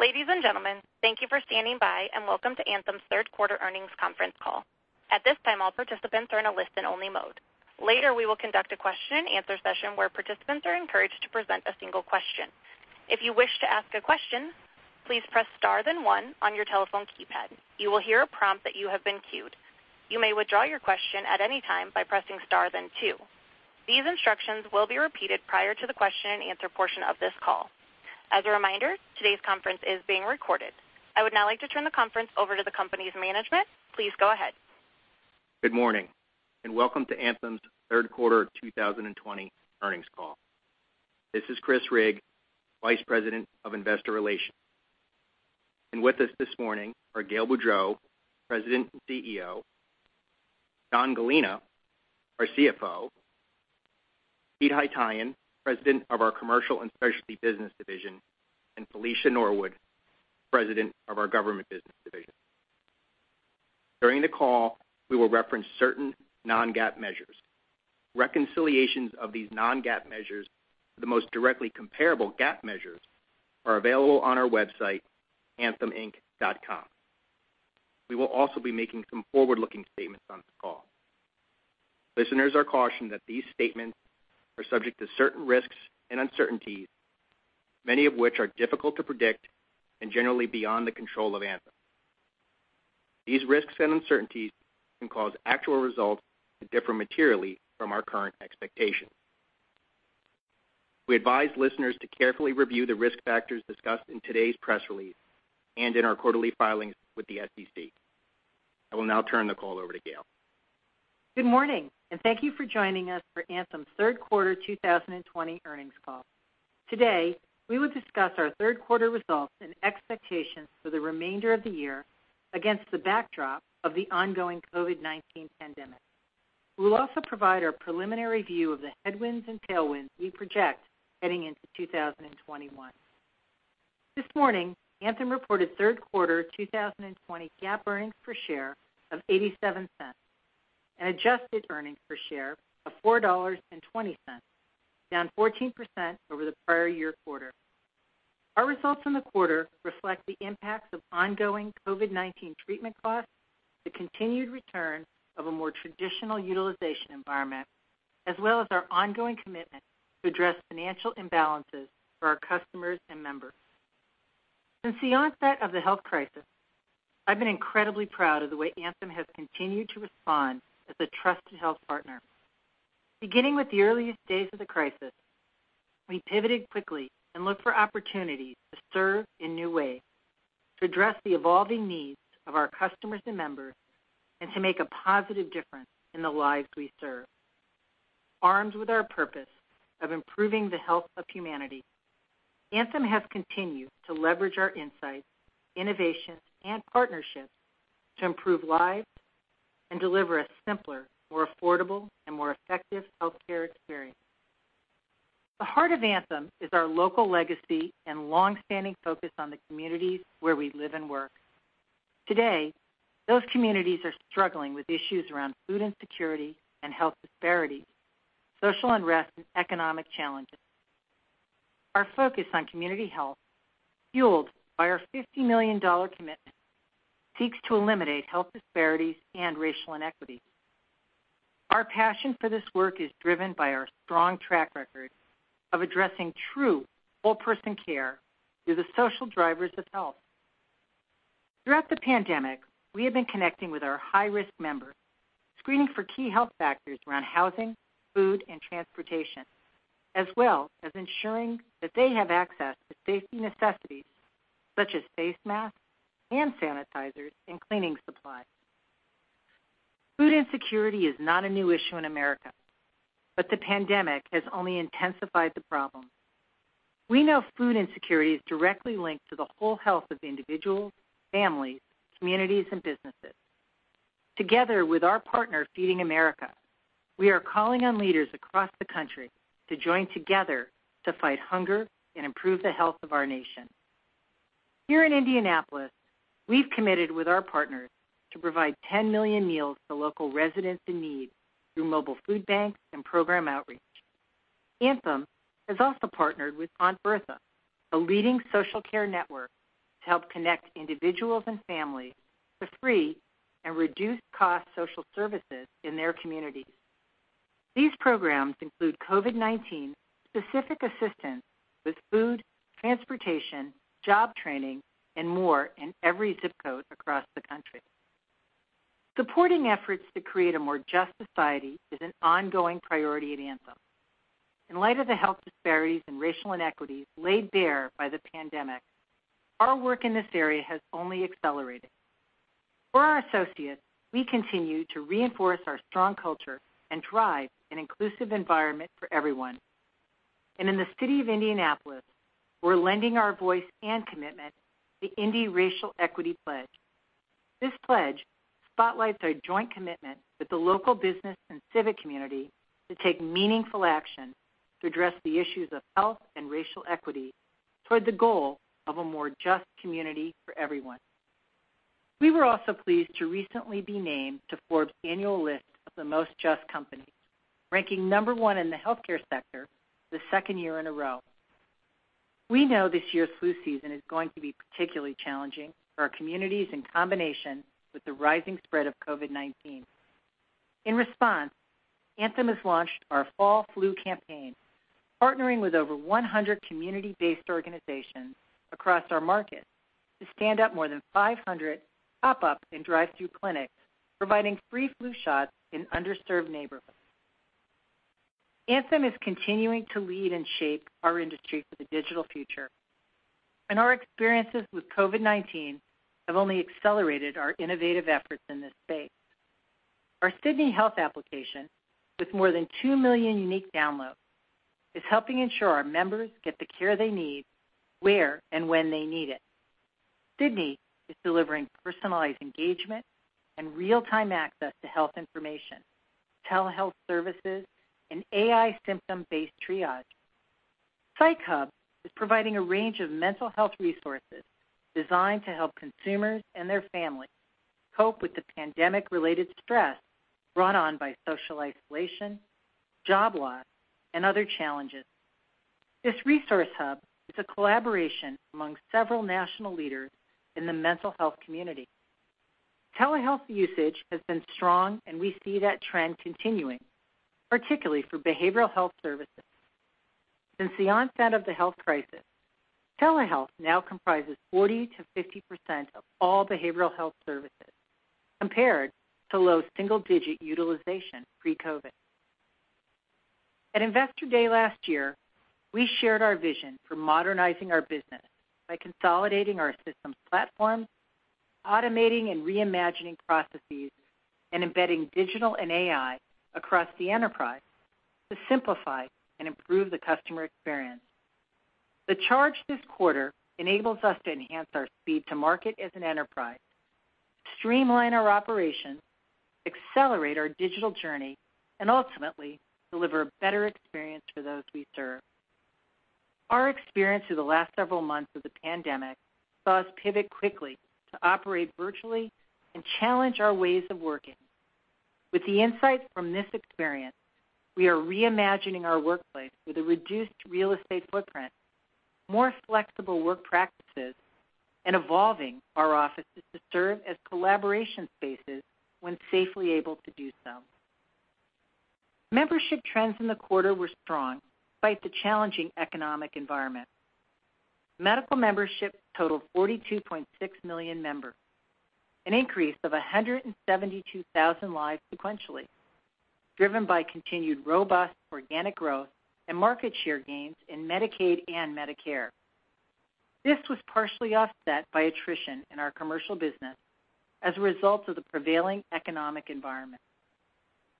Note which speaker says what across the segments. Speaker 1: Ladies and gentlemen, thank you for standing by, and welcome to Anthem's third quarter earnings conference call. At this time, all participants are in a listen only mode. Later, we will conduct a question and answer session where participants are encouraged to present a single question. If you wish to ask a question, please press star then one on your telephone keypad. You will hear a prompt that you have been queued. You may withdraw your question at any time by pressing star then two. These instructions will be repeated prior to the question and answer portion of this call. As a reminder, today's conference is being recorded. I would now like to turn the conference over to the company's management. Please go ahead.
Speaker 2: Good morning, and welcome to Anthem's third quarter 2020 earnings call. This is Chris Rigg, Vice President of Investor Relations. With us this morning are Gail Boudreaux, President and CEO, John Gallina, our CFO, Pete Haytaian, President of our Commercial and Specialty Business Division, and Felicia Norwood, President of our Government Business Division. During the call, we will reference certain non-GAAP measures. Reconciliations of these non-GAAP measures to the most directly comparable GAAP measures are available on our website, antheminc.com. We will also be making some forward-looking statements on this call. Listeners are cautioned that these statements are subject to certain risks and uncertainties, many of which are difficult to predict and generally beyond the control of Anthem. These risks and uncertainties can cause actual results to differ materially from our current expectations. We advise listeners to carefully review the risk factors discussed in today's press release and in our quarterly filings with the SEC. I will now turn the call over to Gail.
Speaker 3: Good morning. Thank you for joining us for Anthem's third quarter 2020 earnings call. Today, we will discuss our third quarter results and expectations for the remainder of the year against the backdrop of the ongoing COVID-19 pandemic. We will also provide our preliminary view of the headwinds and tailwinds we project heading into 2021. This morning, Anthem reported third quarter 2020 GAAP earnings per share of $0.87 and adjusted earnings per share of $4.20, down 14% over the prior year quarter. Our results in the quarter reflect the impacts of ongoing COVID-19 treatment costs, the continued return of a more traditional utilization environment, as well as our ongoing commitment to address financial imbalances for our customers and members. Since the onset of the health crisis, I've been incredibly proud of the way Anthem has continued to respond as a trusted health partner. Beginning with the earliest days of the crisis, we pivoted quickly and looked for opportunities to serve in new ways, to address the evolving needs of our customers and members, and to make a positive difference in the lives we serve. Armed with our purpose of improving the health of humanity, Anthem has continued to leverage our insights, innovations, and partnerships to improve lives and deliver a simpler, more affordable, and more effective healthcare experience. The heart of Anthem is our local legacy and long-standing focus on the communities where we live and work. Today, those communities are struggling with issues around food insecurity and health disparities, social unrest, and economic challenges. Our focus on community health, fueled by our $50 million commitment, seeks to eliminate health disparities and racial inequities. Our passion for this work is driven by our strong track record of addressing true whole person care through the social drivers of health. Throughout the pandemic, we have been connecting with our high-risk members, screening for key health factors around housing, food, and transportation, as well as ensuring that they have access to safety necessities such as face masks and sanitizers and cleaning supplies. Food insecurity is not a new issue in America, but the pandemic has only intensified the problem. We know food insecurity is directly linked to the whole health of individuals, families, communities, and businesses. Together with our partner, Feeding America, we are calling on leaders across the country to join together to fight hunger and improve the health of our nation. Here in Indianapolis, we've committed with our partners to provide 10 million meals to local residents in need through mobile food banks and program outreach. Anthem has also partnered with Aunt Bertha, a leading social care network, to help connect individuals and families to free and reduced cost social services in their communities. These programs include COVID-19 specific assistance with food, transportation, job training, and more in every zip code across the country. Supporting efforts to create a more just society is an ongoing priority at Anthem. In light of the health disparities and racial inequities laid bare by the pandemic, our work in this area has only accelerated. For our associates, we continue to reinforce our strong culture and drive an inclusive environment for everyone. In the city of Indianapolis, we're lending our voice and commitment to Indy Racial Equity Pledge. This pledge spotlights our joint commitment with the local business and civic community to take meaningful action to address the issues of health and racial equity towards the goal of a more just community for everyone. We were also pleased to recently be named to Forbes annual list of the most just companies, ranking number one in the healthcare sector the second year in a row. We know this year's flu season is going to be particularly challenging for our communities in combination with the rising spread of COVID-19. In response, Elevance Health has launched our fall flu campaign, partnering with over 100 community-based organizations across our market to stand up more than 500 pop-up and drive-through clinics, providing free flu shots in underserved neighborhoods. Our experiences with COVID-19 have only accelerated our innovative efforts in this space. Our Sydney Health application, with more than 2 million unique downloads, is helping ensure our members get the care they need, where and when they need it. Sydney is delivering personalized engagement and real-time access to health information, telehealth services, and AI symptom-based triage. Psych Hub is providing a range of mental health resources designed to help consumers and their families cope with the pandemic-related stress brought on by social isolation, job loss, and other challenges. This resource hub is a collaboration among several national leaders in the mental health community. Telehealth usage has been strong, we see that trend continuing, particularly for behavioral health services. Since the onset of the health crisis, telehealth now comprises 40%-50% of all behavioral health services, compared to low single-digit utilization pre-COVID. At Investor Day last year, we shared our vision for modernizing our business by consolidating our systems platform, automating and reimagining processes, and embedding digital and AI across the enterprise to simplify and improve the customer experience. The charge this quarter enables us to enhance our speed to market as an enterprise, streamline our operations, accelerate our digital journey, and ultimately deliver a better experience for those we serve. Our experience through the last several months of the pandemic saw us pivot quickly to operate virtually and challenge our ways of working. With the insights from this experience, we are reimagining our workplace with a reduced real estate footprint, more flexible work practices, and evolving our offices to serve as collaboration spaces when safely able to do so. Membership trends in the quarter were strong despite the challenging economic environment. Medical membership totaled 42.6 million members, an increase of 172,000 lives sequentially, driven by continued robust organic growth and market share gains in Medicaid and Medicare. This was partially offset by attrition in our commercial business as a result of the prevailing economic environment.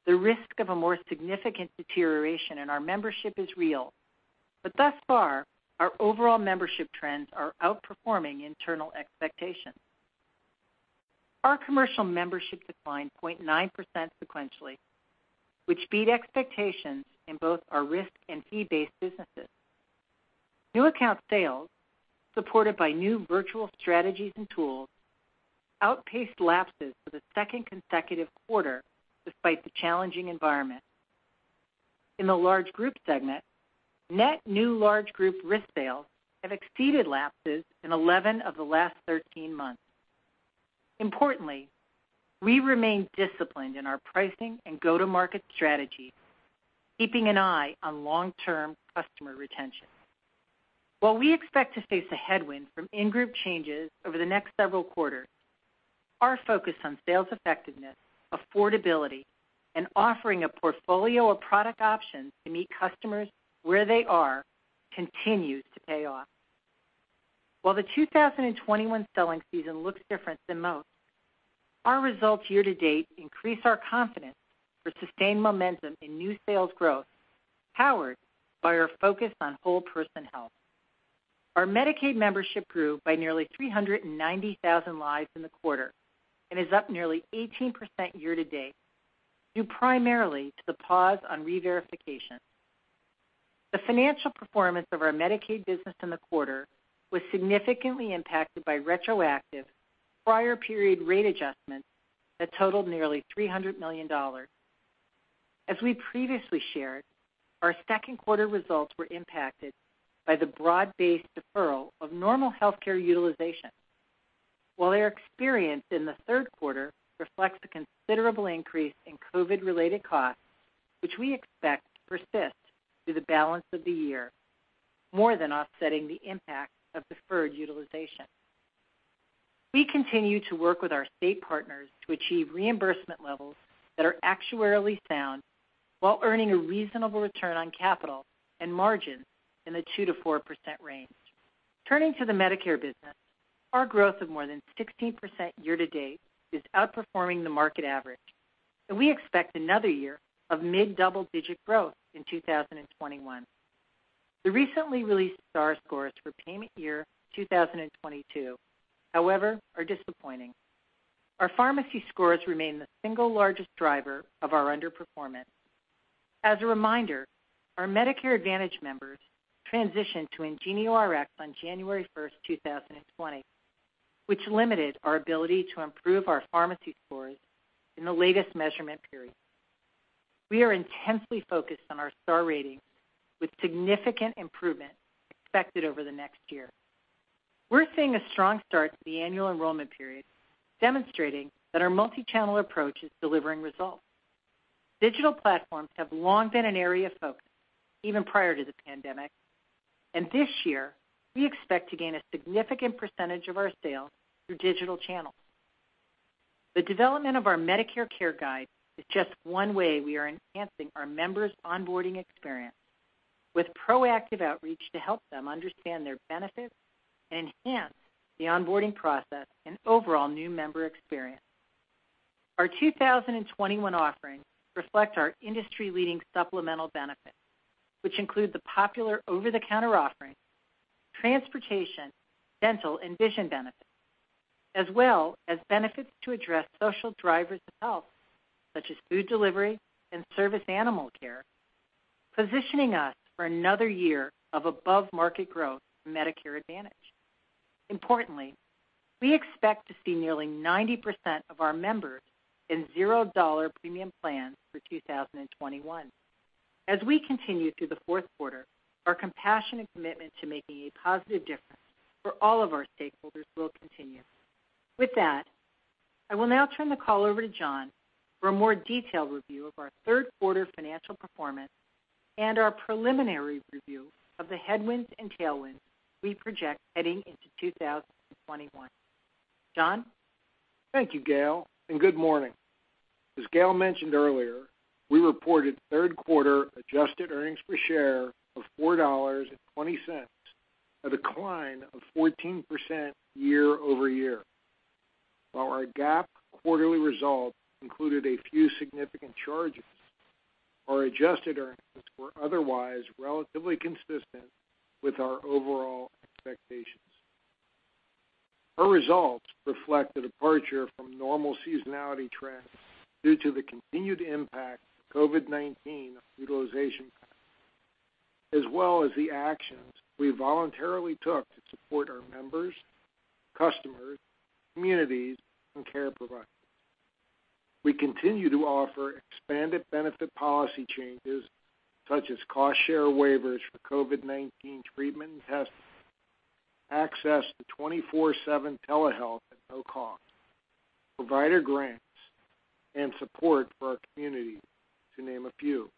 Speaker 3: The risk of a more significant deterioration in our membership is real, but thus far, our overall membership trends are outperforming internal expectations. Our commercial membership declined 0.9% sequentially, which beat expectations in both our risk and fee-based businesses. New account sales, supported by new virtual strategies and tools, outpaced lapses for the second consecutive quarter despite the challenging environment. In the large group segment, net new large group risk sales have exceeded lapses in 11 of the last 13 months. Importantly, we remain disciplined in our pricing and go-to-market strategies, keeping an eye on long-term customer retention. While we expect to face a headwind from in-group changes over the next several quarters, our focus on sales effectiveness, affordability, and offering a portfolio of product options to meet customers where they are continues to pay off. While the 2021 selling season looks different than most, our results year-to-date increase our confidence for sustained momentum in new sales growth, powered by our focus on whole person health. Our Medicaid membership grew by nearly 390,000 lives in the quarter and is up nearly 18% year-to-date, due primarily to the pause on reverification. The financial performance of our Medicaid business in the quarter was significantly impacted by retroactive prior period rate adjustments that totaled nearly $300 million. As we previously shared, our second quarter results were impacted by the broad-based deferral of normal healthcare utilization. While our experience in the third quarter reflects a considerable increase in COVID-related costs, which we expect to persist through the balance of the year, more than offsetting the impact of deferred utilization. We continue to work with our state partners to achieve reimbursement levels that are actuarially sound while earning a reasonable return on capital and margins in the 2%-4% range. Turning to the Medicare business, our growth of more than 16% year to date is outperforming the market average, and we expect another year of mid-double digit growth in 2021. The recently released star scores for payment year 2022, however, are disappointing. Our pharmacy scores remain the single largest driver of our underperformance. As a reminder, our Medicare Advantage members transitioned to IngenioRx on January 1st, 2020, which limited our ability to improve our pharmacy scores in the latest measurement period. We are intensely focused on our star ratings, with significant improvement expected over the next year. We're seeing a strong start to the annual enrollment period, demonstrating that our multi-channel approach is delivering results. Digital platforms have long been an area of focus, even prior to the pandemic, and this year, we expect to gain a significant percentage of our sales through digital channels. The development of our Medicare Care Guide is just one way we are enhancing our members' onboarding experience with proactive outreach to help them understand their benefits and enhance the onboarding process and overall new member experience. Our 2021 offerings reflect our industry-leading supplemental benefits, which include the popular over-the-counter offerings, transportation, dental, and vision benefits, as well as benefits to address social drivers of health, such as food delivery and service animal care, positioning us for another year of above-market growth in Medicare Advantage. Importantly, we expect to see nearly 90% of our members in $0 premium plans for 2021. As we continue through the fourth quarter, our compassion and commitment to making a positive difference for all of our stakeholders will continue. With that, I will now turn the call over to John for a more detailed review of our third quarter financial performance and our preliminary review of the headwinds and tailwinds we project heading into 2021. John?
Speaker 4: Thank you, Gail. Good morning. As Gail mentioned earlier, we reported third quarter adjusted earnings per share of $4.20, a decline of 14% year-over-year. While our GAAP quarterly results included a few significant charges, our adjusted earnings were otherwise relatively consistent with our overall expectations. Our results reflect the departure from normal seasonality trends due to the continued impact of COVID-19 on utilization patterns, as well as the actions we voluntarily took to support our members, customers, communities, and care providers. We continue to offer expanded benefit policy changes such as cost share waivers for COVID-19 treatment and testing, access to 24/7 telehealth at no cost, provider grants, and support for our communities, to name a few.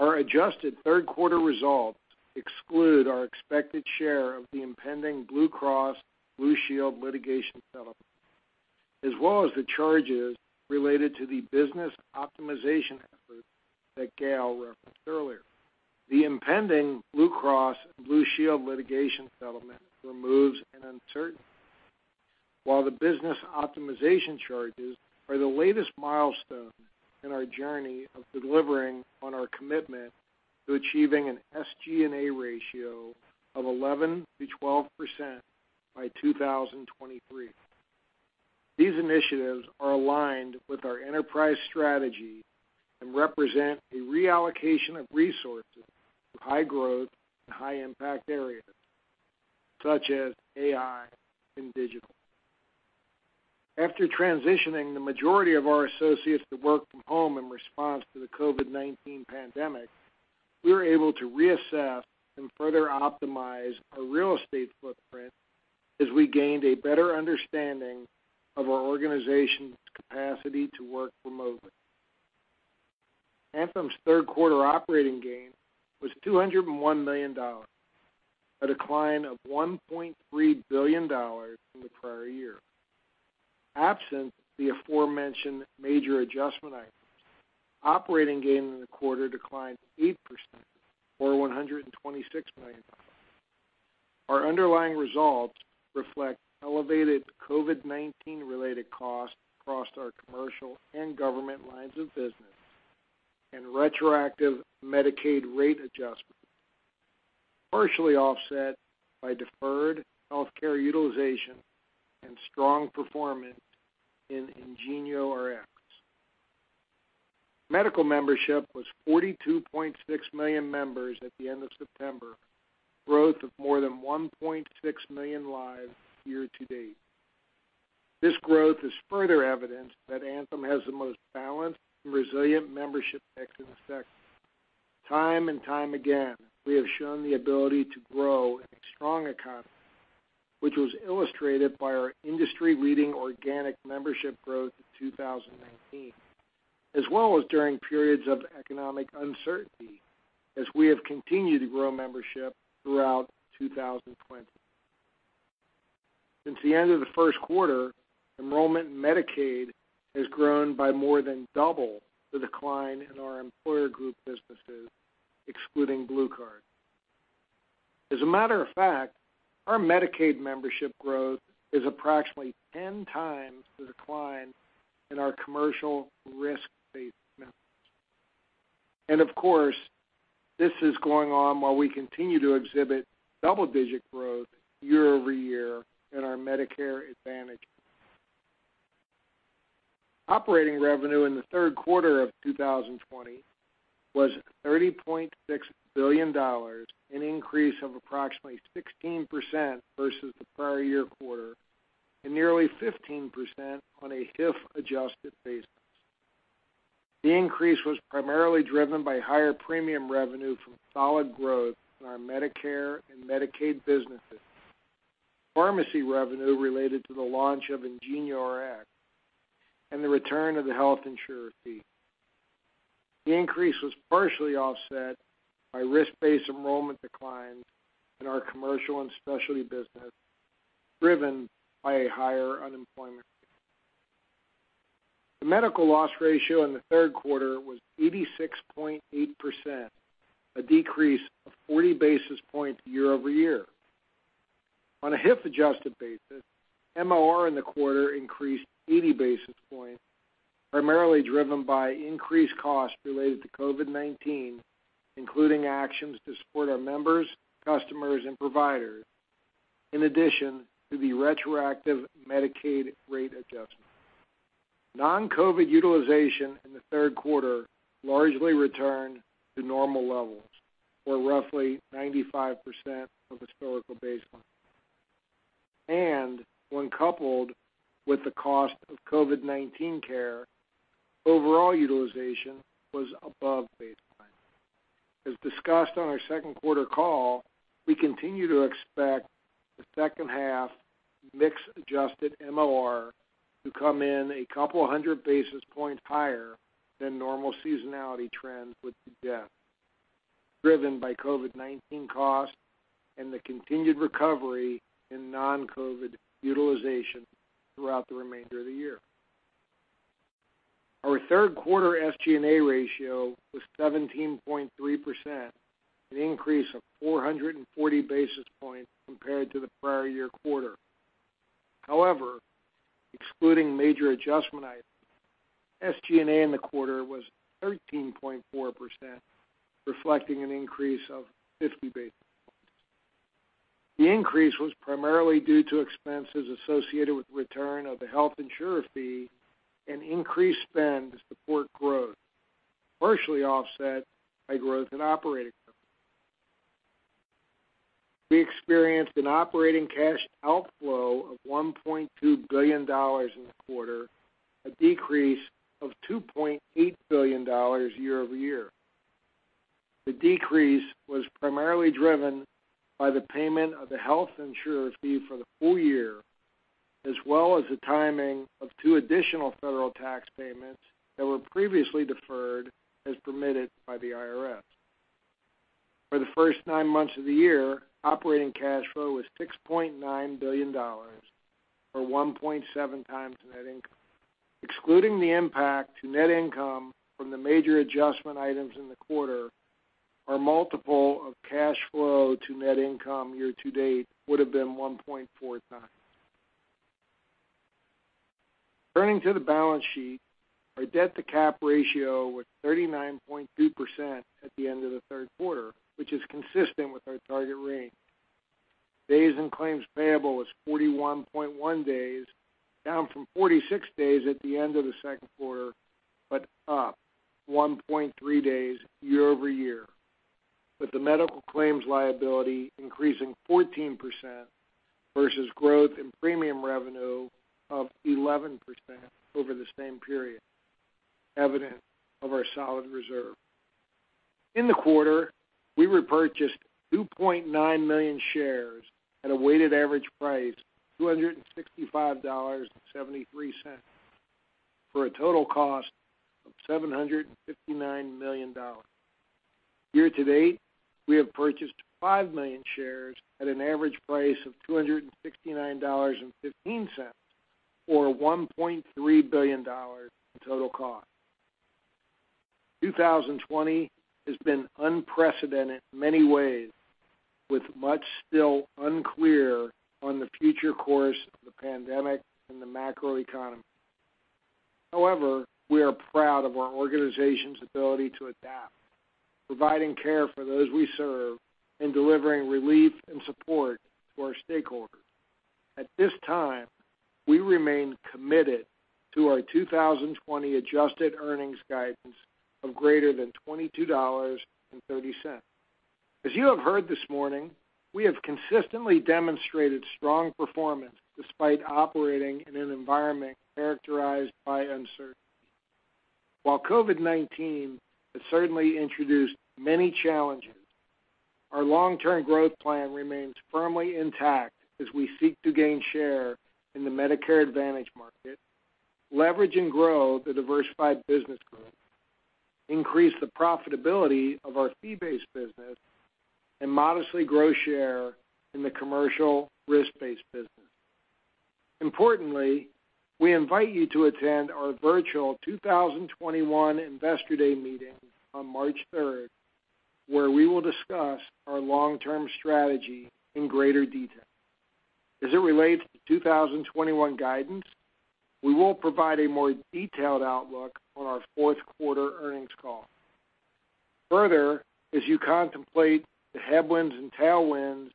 Speaker 4: Our adjusted third quarter results exclude our expected share of the impending Blue Cross Blue Shield litigation settlement, as well as the charges related to the business optimization efforts that Gail referenced earlier. The impending Blue Cross Blue Shield litigation settlement removes an uncertainty, while the business optimization charges are the latest milestone in our journey of delivering on our commitment to achieving an SG&A ratio of 11%-12% by 2023. These initiatives are aligned with our enterprise strategy and represent a reallocation of resources to high growth and high impact areas such as AI and digital. After transitioning the majority of our associates to work from home in response to the COVID-19 pandemic, we were able to reassess and further optimize our real estate footprint as we gained a better understanding of our organization's capacity to work remotely. Anthem's third quarter operating gain was $201 million, a decline of $1.3 billion from the prior year. Absent the aforementioned major adjustment items, operating gain in the quarter declined 8%, or $126 million. Our underlying results reflect elevated COVID-19 related costs across our commercial and government lines of business and retroactive Medicaid rate adjustments, partially offset by deferred healthcare utilization and strong performance in IngenioRx. Medical membership was 42.6 million members at the end of September, growth of more than 1.6 million lives year to date. This growth is further evidence that Anthem has the most balanced and resilient membership mix in the sector. Time and time again, we have shown the ability to grow in a strong economy, which was illustrated by our industry-leading organic membership growth in 2019, as well as during periods of economic uncertainty, as we have continued to grow membership throughout 2020. Since the end of the first quarter, enrollment in Medicaid has grown by more than double the decline in our employer group businesses, excluding BlueCard. As a matter of fact, our Medicaid membership growth is approximately 10x the decline in our commercial risk-based members. Of course, this is going on while we continue to exhibit double-digit growth year-over-year in our Medicare Advantage. Operating revenue in the third quarter of 2020 was $30.6 billion, an increase of approximately 16% versus the prior year quarter, and nearly 15% on a HIF-adjusted basis. The increase was primarily driven by higher premium revenue from solid growth in our Medicare and Medicaid businesses, pharmacy revenue related to the launch of IngenioRx, and the return of the health insurer fee. The increase was partially offset by risk-based enrollment declines in our commercial and specialty business, driven by a higher unemployment rate. The Medical Loss Ratio in the third quarter was 86.8%, a decrease of 40 basis points year-over-year. On a HIF-adjusted basis, MLR in the quarter increased 80 basis points, primarily driven by increased costs related to COVID-19, including actions to support our members, customers, and providers, in addition to the retroactive Medicaid rate adjustment. Non-COVID utilization in the third quarter largely returned to normal levels or roughly 95% of historical baseline. When coupled with the cost of COVID-19 care, overall utilization was above baseline. As discussed on our second quarter call, we continue to expect the second half mix adjusted MLR to come in a couple of hundred basis points higher than normal seasonality trends with the depth, driven by COVID-19 costs and the continued recovery in non-COVID utilization throughout the remainder of the year. Our third quarter SG&A ratio was 17.3%, an increase of 440 basis points compared to the prior year quarter. Excluding major adjustment items, SG&A in the quarter was 13.4%, reflecting an increase of 50 basis points. The increase was primarily due to expenses associated with return of the health insurer fee and increased spend to support growth, partially offset by growth in operating profit. We experienced an operating cash outflow of $1.2 billion in the quarter, a decrease of $2.8 billion year-over-year. The decrease was primarily driven by the payment of the health insurer fee for the full year, as well as the timing of two additional federal tax payments that were previously deferred as permitted by the IRS. For the first nine months of the year, operating cash flow was $6.9 billion or 1.7x net income. Excluding the impact to net income from the major adjustment items in the quarter, our multiple of cash flow to net income year to date would have been 1.4 times. Turning to the balance sheet, our debt-to-cap ratio was 39.2% at the end of the third quarter, which is consistent with our target range. Days in claims payable was 41.1 days, down from 46 days at the end of the second quarter, but up 1.3 days year-over-year, with the medical claims liability increasing 14% versus growth in premium revenue of 11% over the same period, evident of our solid reserve. In the quarter, we repurchased 2.9 million shares at a weighted average price of $265.73 for a total cost of $759 million. Year to date, we have purchased 5 million shares at an average price of $269.15, or $1.3 billion in total cost. 2020 has been unprecedented in many ways, with much still unclear on the future course of the pandemic and the macroeconomy. However, we are proud of our organization's ability to adapt, providing care for those we serve and delivering relief and support to our stakeholders. At this time, we remain committed to our 2020 adjusted earnings guidance of greater than $22.30. As you have heard this morning, we have consistently demonstrated strong performance despite operating in an environment characterized by uncertainty. While COVID-19 has certainly introduced many challenges, our long-term growth plan remains firmly intact as we seek to gain share in the Medicare Advantage market, leverage and grow the diversified business group, increase the profitability of our fee-based business, and modestly grow share in the commercial risk-based business. Importantly, we invite you to attend our virtual 2021 Investor Day meeting on March 3rd, where we will discuss our long-term strategy in greater detail. As it relates to 2021 guidance, we will provide a more detailed outlook on our fourth quarter earnings call. As you contemplate the headwinds and tailwinds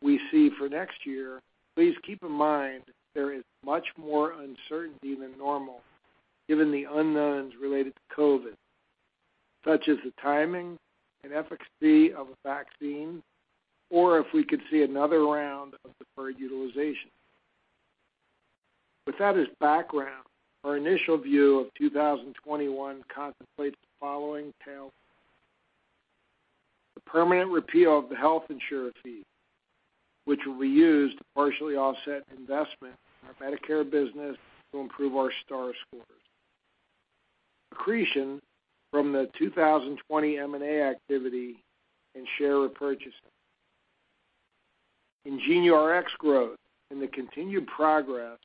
Speaker 4: we see for next year, please keep in mind there is much more uncertainty than normal given the unknowns related to COVID, such as the timing and efficacy of a vaccine, or if we could see another round of deferred utilization. With that as background, our initial view of 2021 contemplates the following tailwinds. The permanent repeal of the health insurer fee, which will be used to partially offset investment in our Medicare business to improve our star scores. Accretion from the 2020 M&A activity and share repurchasing. IngenioRx growth and the continued progress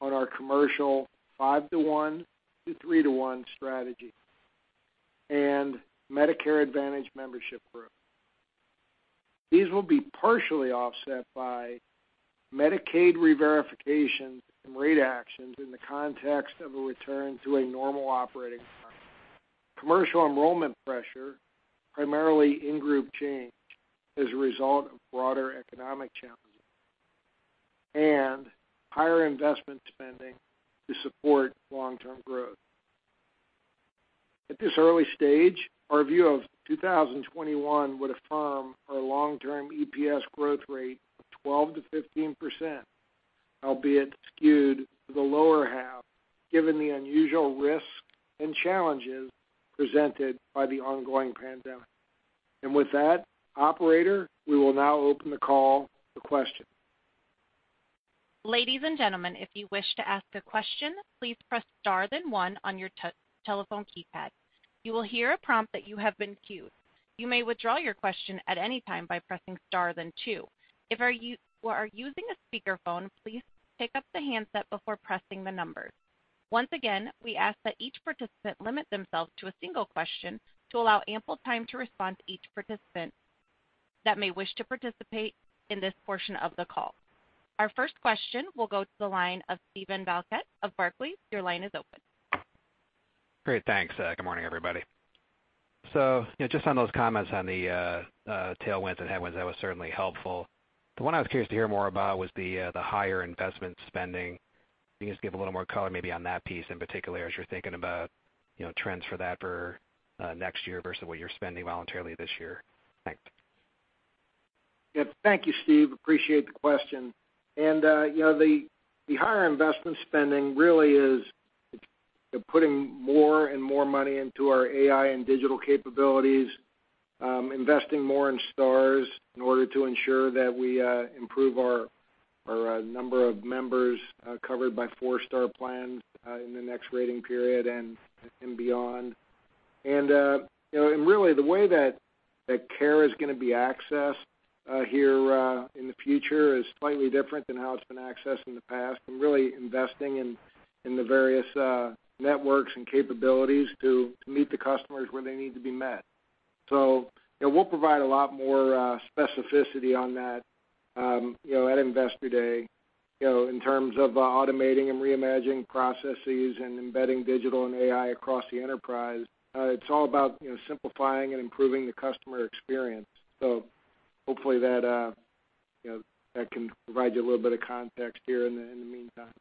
Speaker 4: on our commercial 5-to-1 to 3-to-1 strategy and Medicare Advantage membership group. These will be partially offset by Medicaid reverification and rate actions in the context of a return to a normal operating environment. Commercial enrollment pressure, primarily in group change as a result of broader economic challenges, and higher investment spending to support long-term growth. At this early stage, our view of 2021 would affirm our long-term EPS growth rate of 12%-15%, albeit skewed to the lower half, given the unusual risks and challenges presented by the ongoing pandemic. With that, operator, we will now open the call for questions.
Speaker 1: Ladies and gentlemen, if you wish to ask a question, please press star then one on your telephone keypad. You will hear a prompt that you have been queued. You may withdraw your question at any time by pressing star then two. If you are using a speakerphone, please pick up the handset before pressing the numbers. Once again, we ask that each participant limit themselves to a single question to allow ample time to respond to each participant that may wish to participate in this portion of the call. Our first question will go to the line of Steven Valiquette of Barclays. Your line is open.
Speaker 5: Great. Thanks. Good morning, everybody. Just on those comments on the tailwinds and headwinds, that was certainly helpful. The one I was curious to hear more about was the higher investment spending. Can you just give a little more color maybe on that piece in particular as you're thinking about trends for that for next year versus what you're spending voluntarily this year? Thanks.
Speaker 4: Thank you, Steve. Appreciate the question. The higher investment spending really is putting more and more money into our AI and digital capabilities, investing more in stars in order to ensure that we improve our number of members covered by four-star plans in the next rating period and beyond. Really the way that care is going to be accessed here in the future is slightly different than how it's been accessed in the past, and really investing in the various networks and capabilities to meet the customers where they need to be met. We'll provide a lot more specificity on that at Investor Day in terms of automating and reimagining processes and embedding digital and AI across the enterprise. It's all about simplifying and improving the customer experience. Hopefully that can provide you a little bit of context here in the meantime.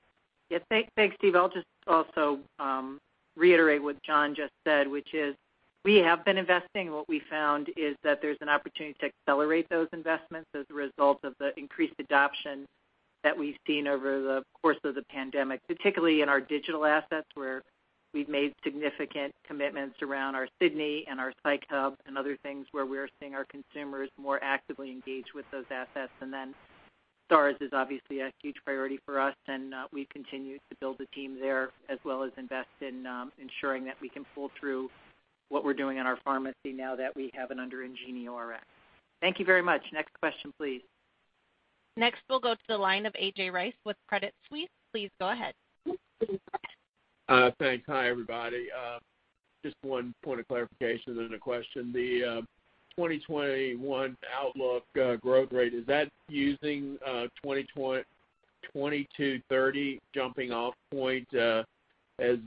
Speaker 3: Yeah. Thanks, Steve. I'll just also reiterate what John just said, which is we have been investing, and what we found is that there's an opportunity to accelerate those investments as a result of the increased adoption that we've seen over the course of the pandemic, particularly in our digital assets, where we've made significant commitments around our Sydney and our Psych Hub and other things where we're seeing our consumers more actively engage with those assets. Stars is obviously a huge priority for us, and we continue to build the team there, as well as invest in ensuring that we can pull through what we're doing in our pharmacy now that we have it under IngenioRx. Thank you very much. Next question, please.
Speaker 1: Next, we'll go to the line of A.J. Rice with Credit Suisse. Please go ahead.
Speaker 6: Thanks. Hi, everybody. Just one point of clarification, a question. The 2021 outlook growth rate, is that using 20-30 jumping off point as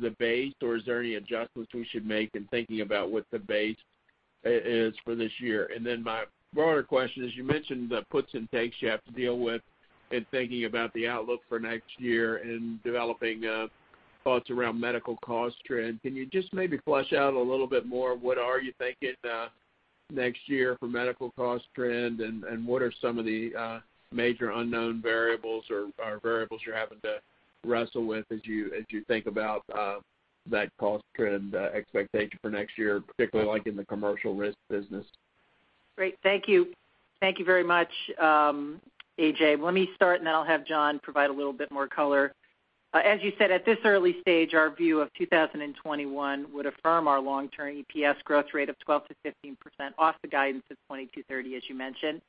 Speaker 6: the base, or is there any adjustments we should make in thinking about what the base is for this year? My broader question is, you mentioned the puts and takes you have to deal with in thinking about the outlook for next year and developing thoughts around medical cost trend. Can you just maybe flesh out a little bit more of what are you thinking next year for medical cost trend, and what are some of the major unknown variables or variables you're having to wrestle with as you think about that cost trend expectation for next year, particularly like in the commercial risk business?
Speaker 3: Great. Thank you. Thank you very much, AJ. Let me start, and then I'll have John provide a little bit more color. As you said, at this early stage, our view of 2021 would affirm our long-term EPS growth rate of 12%-15% off the guidance of 20-30, as you mentioned.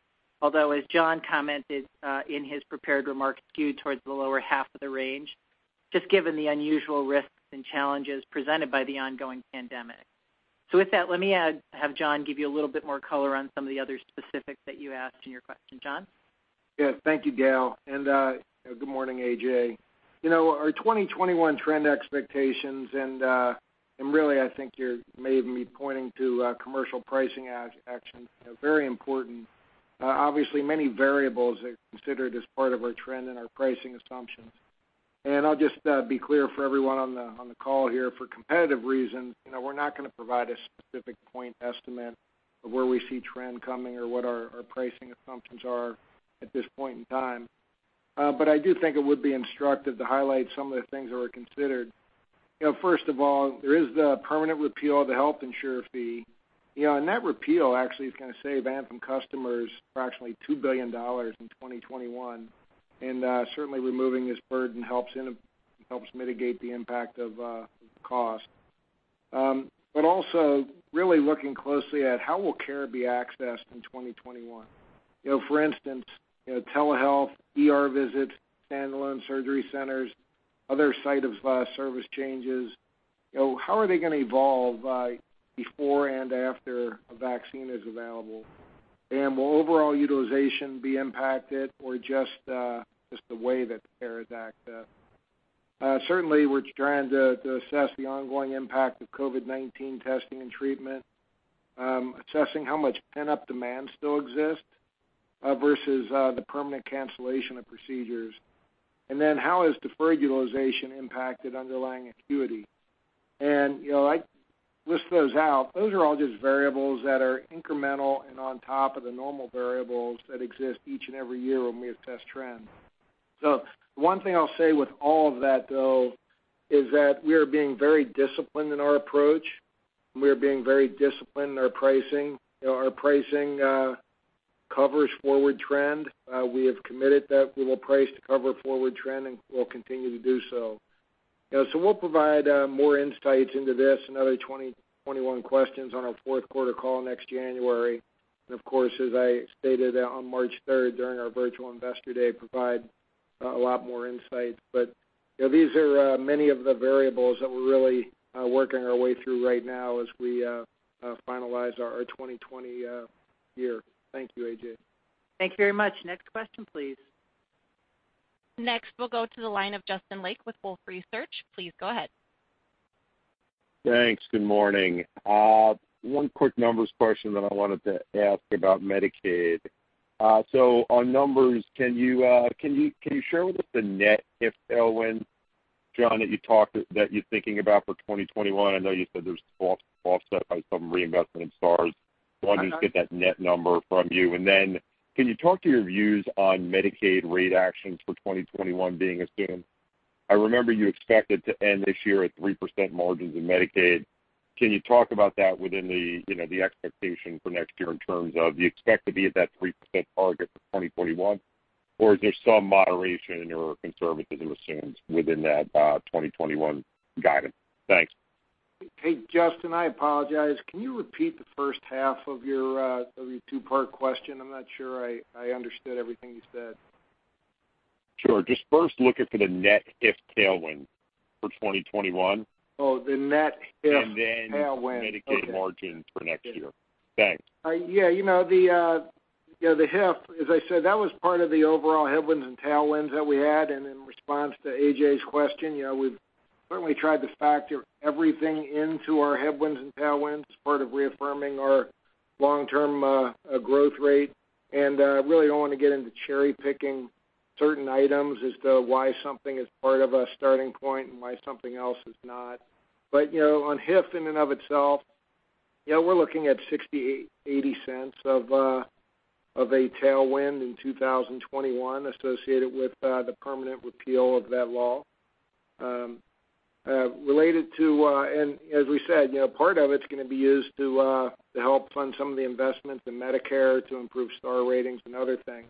Speaker 3: Although, as John commented in his prepared remarks, skewed towards the lower half of the range, just given the unusual risks and challenges presented by the ongoing pandemic. With that, let me have John give you a little bit more color on some of the other specifics that you asked in your question. John?
Speaker 4: Yeah. Thank you, Gail. Good morning, A.J. Our 2021 trend expectations, really, I think you're maybe pointing to commercial pricing actions, very important. Obviously, many variables are considered as part of our trend and our pricing assumptions. I'll just be clear for everyone on the call here, for competitive reasons, we're not going to provide a specific point estimate of where we see trend coming or what our pricing assumptions are at this point in time. I do think it would be instructive to highlight some of the things that were considered. First of all, there is the permanent repeal of the health insurer fee. That repeal actually is going to save Anthem customers approximately $2 billion in 2021. Certainly removing this burden helps mitigate the impact of cost. Also really looking closely at how will care be accessed in 2021. For instance, telehealth, ER visits, standalone surgery centers, other site of service changes. How are they going to evolve before and after a vaccine is available? Will overall utilization be impacted or just the way that care is accessed? Certainly, we're trying to assess the ongoing impact of COVID-19 testing and treatment, assessing how much pent-up demand still exists versus the permanent cancellation of procedures. How has deferred utilization impacted underlying acuity? I list those out. Those are all just variables that are incremental and on top of the normal variables that exist each and every year when we attest trend. One thing I'll say with all of that, though, is that we are being very disciplined in our approach. We are being very disciplined in our pricing. Our pricing covers forward trend. We have committed that we will price to cover forward trend, and we'll continue to do so. We'll provide more insights into this and other 2021 questions on our fourth quarter call next January. Of course, as I stated on March 3rd during our virtual investor day, provide a lot more insight. These are many of the variables that we're really working our way through right now as we finalize our 2020 year. Thank you, A.J.
Speaker 3: Thank you very much. Next question, please.
Speaker 1: Next, we'll go to the line of Justin Lake with Wolfe Research. Please go ahead.
Speaker 7: Thanks. Good morning. One quick numbers question that I wanted to ask about Medicaid. On numbers, can you share with us the net HIF tailwind, John, that you're thinking about for 2021? I know you said there's offset by some reinvestment in stars.
Speaker 4: Okay.
Speaker 7: I'll just get that net number from you. Can you talk to your views on Medicaid rate actions for 2021 being assumed? I remember you expected to end this year at 3% margins in Medicaid. Can you talk about that within the expectation for next year in terms of, do you expect to be at that 3% target for 2021? Or is there some moderation or conservatism assumed within that 2021 guidance? Thanks.
Speaker 4: Hey, Justin, I apologize. Can you repeat the first half of your two-part question? I'm not sure I understood everything you said.
Speaker 7: Sure. Just first looking for the net HIF tailwind for 2021.
Speaker 4: Oh, the net HIF tailwind. Okay.
Speaker 7: Then Medicaid margins for next year. Thanks.
Speaker 4: The HIF, as I said, that was part of the overall headwinds and tailwinds that we had. In response to A.J.'s question, we've certainly tried to factor everything into our headwinds and tailwinds as part of reaffirming our long-term growth rate. Really don't want to get into cherry-picking certain items as to why something is part of a starting point and why something else is not. On HIF in and of itself, we're looking at $0.60-$0.80 of a tailwind in 2021 associated with the permanent repeal of that law. As we said, part of it's going to be used to help fund some of the investments in Medicare to improve star ratings and other things.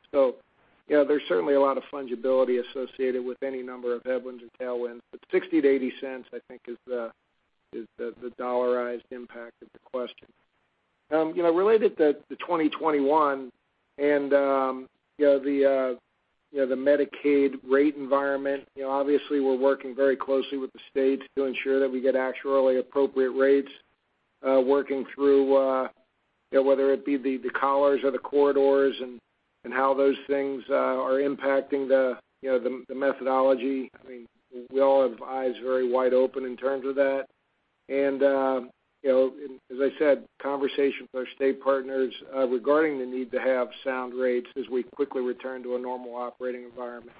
Speaker 4: There's certainly a lot of fungibility associated with any number of headwinds or tailwinds. $0.60 to $0.80, I think is the dollarized impact of the question. Related to 2021 and the Medicaid rate environment, obviously we're working very closely with the states to ensure that we get actuarially appropriate rates, working through whether it be the collars or the corridors and how those things are impacting the methodology. We all have eyes very wide open in terms of that. As I said, conversation with our state partners regarding the need to have sound rates as we quickly return to a normal operating environment.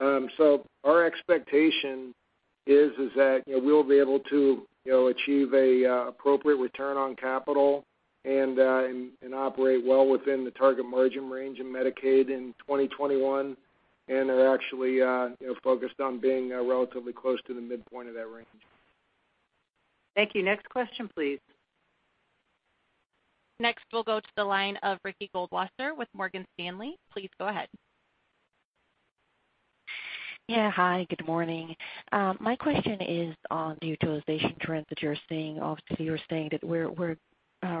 Speaker 4: Our expectation is that we'll be able to achieve a appropriate return on capital and operate well within the target margin range in Medicaid in 2021. Are actually focused on being relatively close to the midpoint of that range.
Speaker 3: Thank you. Next question, please.
Speaker 1: Next, we'll go to the line of Ricky Goldwasser with Morgan Stanley. Please go ahead.
Speaker 8: Yeah. Hi, good morning. My question is on the utilization trends that you're seeing. Obviously, you're saying that we're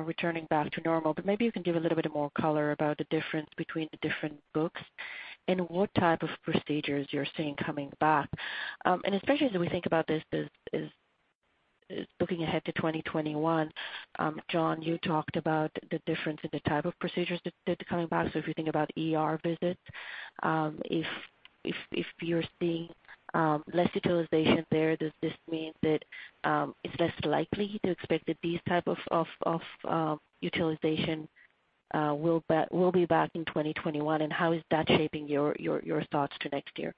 Speaker 8: returning back to normal, but maybe you can give a little bit more color about the difference between the different books and what type of procedures you're seeing coming back. Especially as we think about looking ahead to 2021, John, you talked about the difference in the type of procedures that are coming back. If you think about ER visits, if you're seeing less utilization there, does this mean that it's less likely to expect that these type of utilization will be back in 2021? How is that shaping your thoughts to next year?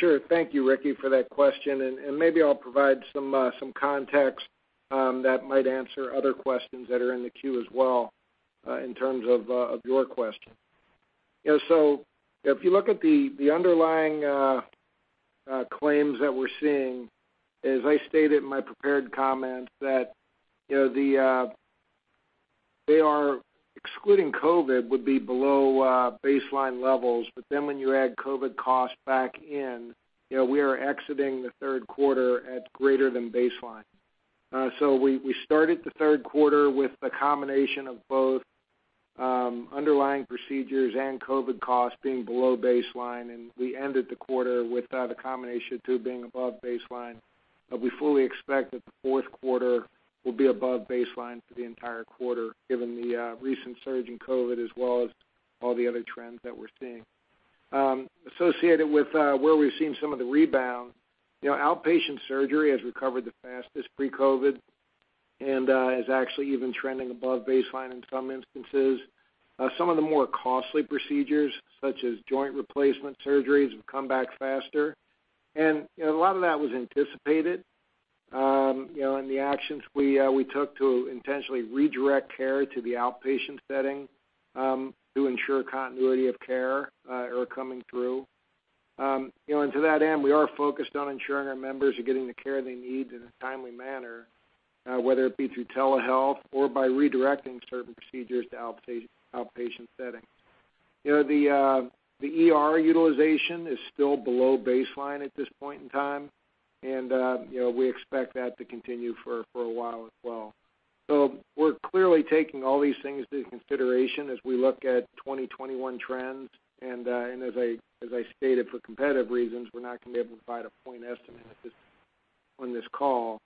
Speaker 4: Sure. Thank you, Ricky, for that question, and maybe I'll provide some context that might answer other questions that are in the queue as well, in terms of your question. If you look at the underlying claims that we're seeing, as I stated in my prepared comments, that they are excluding COVID would be below baseline levels. When you add COVID costs back in, we are exiting the third quarter at greater than baseline. We started the third quarter with the combination of both underlying procedures and COVID costs being below baseline, and we ended the quarter with the combination of two being above baseline. We fully expect that the fourth quarter will be above baseline for the entire quarter, given the recent surge in COVID as well as all the other trends that we're seeing. Associated with where we've seen some of the rebound, outpatient surgery has recovered the fastest pre-COVID and is actually even trending above baseline in some instances. Some of the more costly procedures, such as joint replacement surgeries, have come back faster. A lot of that was anticipated. The actions we took to intentionally redirect care to the outpatient setting to ensure continuity of care are coming through. To that end, we are focused on ensuring our members are getting the care they need in a timely manner, whether it be through telehealth or by redirecting certain procedures to outpatient settings. The ER utilization is still below baseline at this point in time. We expect that to continue for a while as well. We're clearly taking all these things into consideration as we look at 2021 trends. As I stated, for competitive reasons, we're not going to be able to provide a point estimate on this call.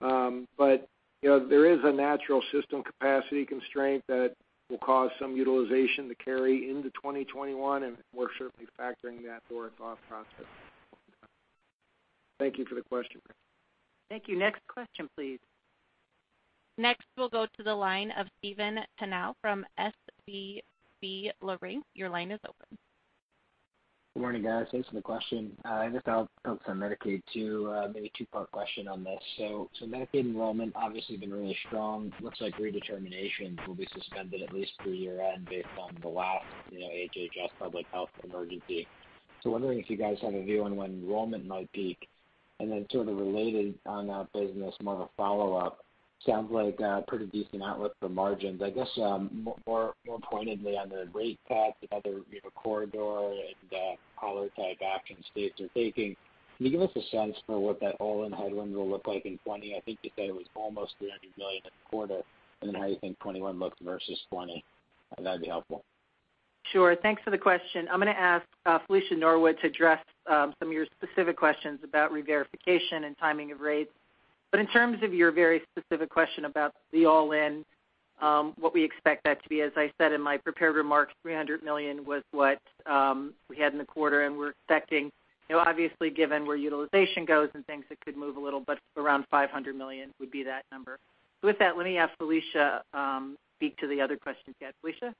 Speaker 4: There is a natural system capacity constraint that will cause some utilization to carry into 2021, and we're certainly factoring that for our thought process going forward. Thank you for the question.
Speaker 3: Thank you. Next question, please.
Speaker 1: Next, we'll go to the line of Stephen Tanal from SVB Leerink. Your line is open.
Speaker 9: Good morning, guys. Thanks for the question. I guess I'll focus on Medicaid too. Maybe a two-part question on this. Medicaid enrollment obviously been really strong. Looks like redeterminations will be suspended at least through year-end based on the last HHS public health emergency. Wondering if you guys have a view on when enrollment might peak, and then sort of related on that business, more of a follow-up. Sounds like a pretty decent outlook for margins. I guess more pointedly on the rate cuts and other corridor and collar type actions states are taking. Can you give us a sense for what that all-in headwind will look like in 2020? I think you said it was almost $300 million in the quarter, and then how you think 2021 looks versus 2020. That'd be helpful.
Speaker 3: Sure. Thanks for the question. I'm going to ask Felicia Norwood to address some of your specific questions about reverification and timing of rates. In terms of your very specific question about the all-in, what we expect that to be, as I said in my prepared remarks, $300 million was what we had in the quarter, and we're expecting, obviously given where utilization goes and things, it could move a little, but around $500 million would be that number. With that, let me ask Felicia speak to the other questions. Yes, Felicia?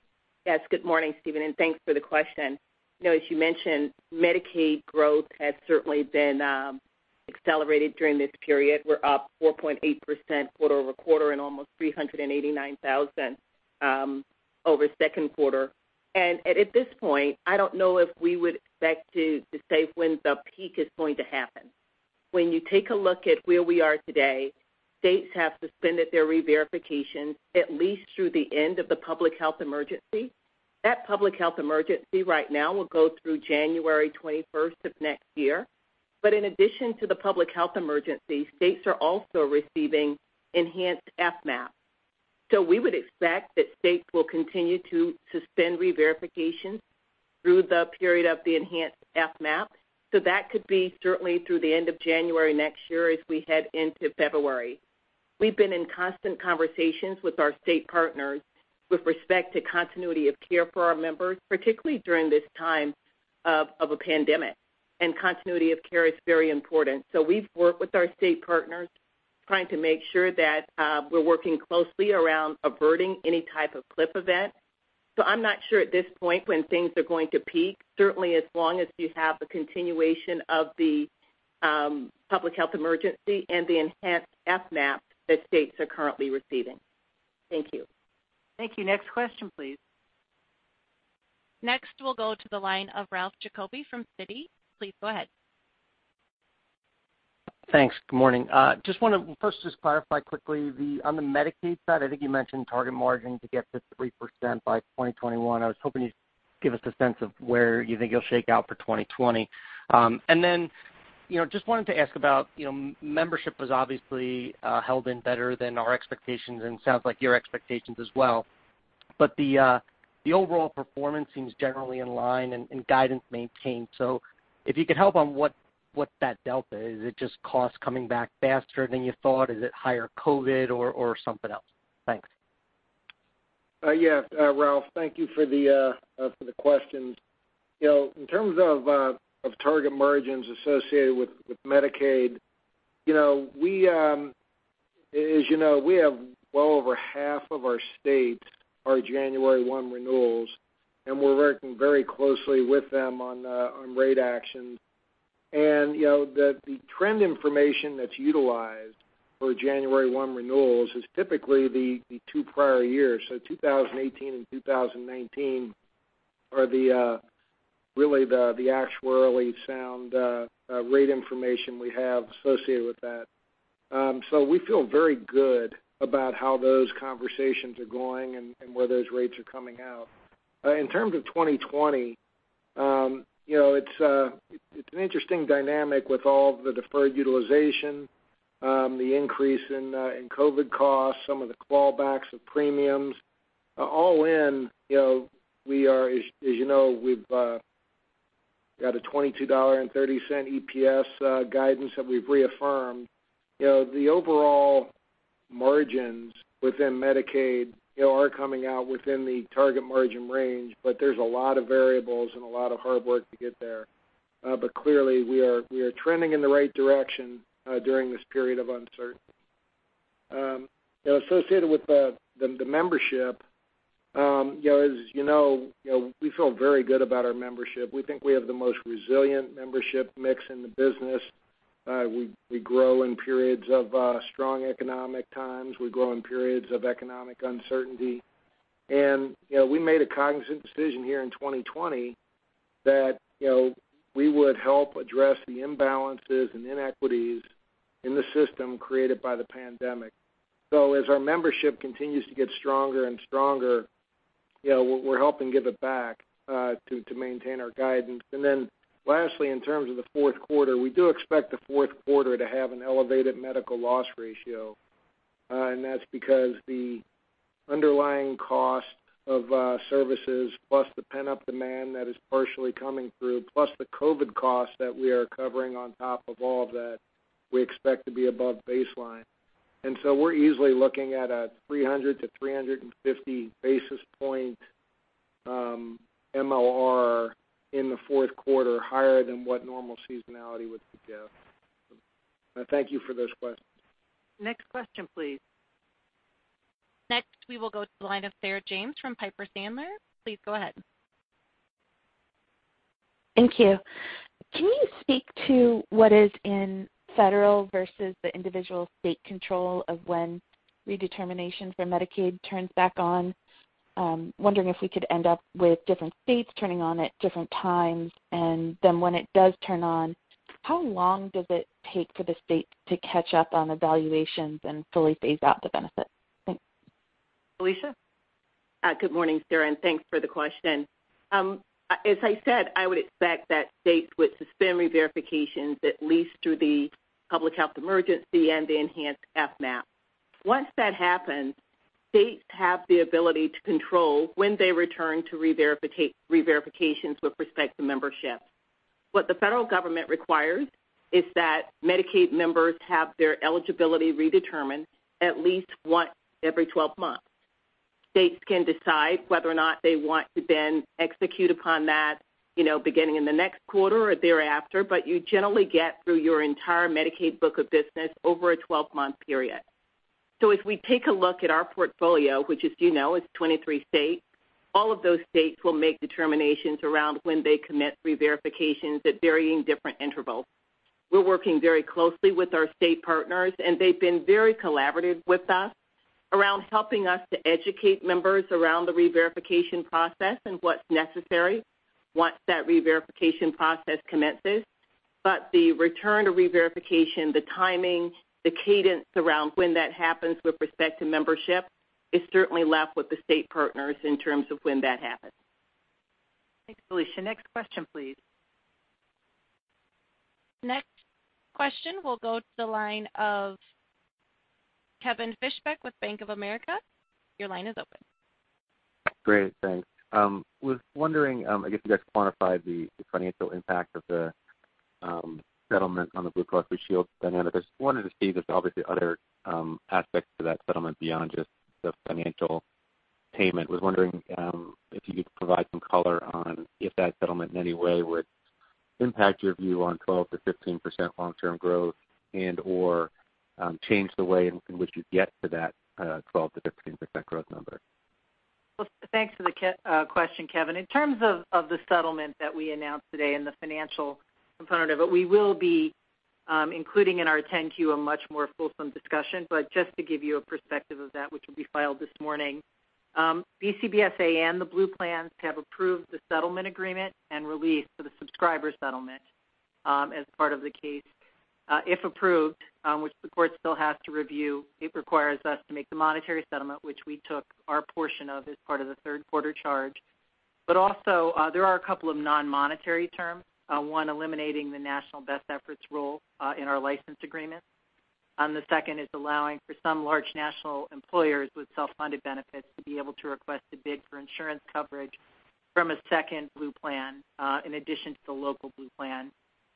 Speaker 10: Yes. Good morning, Stephen, thanks for the question. As you mentioned, Medicaid growth has certainly been accelerated during this period. We're up 4.8% quarter-over-quarter and almost 389,000 over second quarter. At this point, I don't know if we would expect to say when the peak is going to happen. When you take a look at where we are today, states have suspended their reverification at least through the end of the public health emergency. That public health emergency right now will go through January 21st of next year. In addition to the public health emergency, states are also receiving enhanced FMAP. We would expect that states will continue to suspend reverification through the period of the enhanced FMAP. That could be certainly through the end of January next year as we head into February. We've been in constant conversations with our state partners with respect to continuity of care for our members, particularly during this time of a pandemic, and continuity of care is very important. We've worked with our state partners trying to make sure that we're working closely around averting any type of cliff event. I'm not sure at this point when things are going to peak, certainly as long as you have the continuation of the public health emergency and the enhanced FMAP that states are currently receiving. Thank you.
Speaker 3: Thank you. Next question, please.
Speaker 1: Next, we'll go to the line of Ralph Giacobbe from Citi. Please go ahead.
Speaker 11: Thanks. Good morning. Just want to first just clarify quickly on the Medicaid side, I think you mentioned target margin to get to 3% by 2021. I was hoping you'd give us a sense of where you think it'll shake out for 2020. Just wanted to ask about membership was obviously held in better than our expectations and sounds like your expectations as well. The overall performance seems generally in line and guidance maintained. If you could help on what that delta is. Is it just cost coming back faster than you thought? Is it higher COVID or something else? Thanks.
Speaker 4: Yeah, Ralph, thank you for the questions. In terms of target margins associated with Medicaid, as you know, we have well over half of our states are January 1 renewals, and we're working very closely with them on rate actions. The trend information that's utilized for January 1 renewals is typically the two prior years. 2018 and 2019 are really the actuarially sound rate information we have associated with that. We feel very good about how those conversations are going and where those rates are coming out. In terms of 2020, it's an interesting dynamic with all the deferred utilization, the increase in COVID-19 costs, some of the clawbacks of premiums. All in, as you know, we've got a $22.30 EPS guidance that we've reaffirmed. The overall margins within Medicaid are coming out within the target margin range, but there's a lot of variables and a lot of hard work to get there. Clearly, we are trending in the right direction during this period of uncertainty. Associated with the membership, as you know, we feel very good about our membership. We think we have the most resilient membership mix in the business. We grow in periods of strong economic times. We grow in periods of economic uncertainty. We made a cognizant decision here in 2020 that we would help address the imbalances and inequities in the system created by the pandemic. As our membership continues to get stronger and stronger, we're helping give it back to maintain our guidance. Lastly, in terms of the fourth quarter, we do expect the fourth quarter to have an elevated medical loss ratio, that's because the underlying cost of services, plus the pent-up demand that is partially coming through, plus the COVID cost that we are covering on top of all of that, we expect to be above baseline. We're easily looking at a 300-350 basis point MLR in the fourth quarter, higher than what normal seasonality would suggest. Thank you for those questions.
Speaker 3: Next question, please.
Speaker 1: Next, we will go to the line of Sarah James from Piper Sandler. Please go ahead.
Speaker 12: Thank you. Can you speak to what is in federal versus the individual state control of when redetermination for Medicaid turns back on? I'm wondering if we could end up with different states turning on at different times. When it does turn on, how long does it take for the state to catch up on evaluations and fully phase out the benefits? Thanks.
Speaker 3: Felicia?
Speaker 10: Good morning, Sarah. Thanks for the question. As I said, I would expect that states would suspend reverifications at least through the public health emergency and the enhanced FMAP. Once that happens, states have the ability to control when they return to reverifications with respect to membership. What the federal government requires is that Medicaid members have their eligibility redetermined at least once every 12 months. States can decide whether or not they want to then execute upon that beginning in the next quarter or thereafter, you generally get through your entire Medicaid book of business over a 12-month period. If we take a look at our portfolio, which as you know, is 23 states, all of those states will make determinations around when they commit reverifications at varying different intervals. We're working very closely with our state partners, they've been very collaborative with us around helping us to educate members around the reverification process and what's necessary once that reverification process commences. The return to reverification, the timing, the cadence around when that happens with respect to membership is certainly left with the state partners in terms of when that happens.
Speaker 3: Thanks, Felicia. Next question, please.
Speaker 1: Next question will go to the line of Kevin Fischbeck with Bank of America.
Speaker 13: Great, thanks. I was wondering, I guess you guys quantified the financial impact of the settlement on the Blue Cross Blue Shield dynamic. I just wanted to see, there's obviously other aspects to that settlement beyond just the financial payment. I was wondering if you could provide some color on if that settlement in any way would impact your view on 12%-15% long-term growth and/or change the way in which you get to that 12%-15% growth number.
Speaker 3: Well, thanks for the question, Kevin. In terms of the settlement that we announced today and the financial component of it, we will be including in our 10-Q a much more fulsome discussion. Just to give you a perspective of that, which will be filed this morning, BCBSA and the Blue plans have approved the settlement agreement and release for the subscriber settlement as part of the case. If approved, which the court still has to review, it requires us to make the monetary settlement, which we took our portion of as part of the third quarter charge. Also, there are a couple of non-monetary terms. One, eliminating the national best efforts rule in our license agreement. The second is allowing for some large national employers with self-funded benefits to be able to request a bid for insurance coverage from a second Blue plan, in addition to the local Blue plan.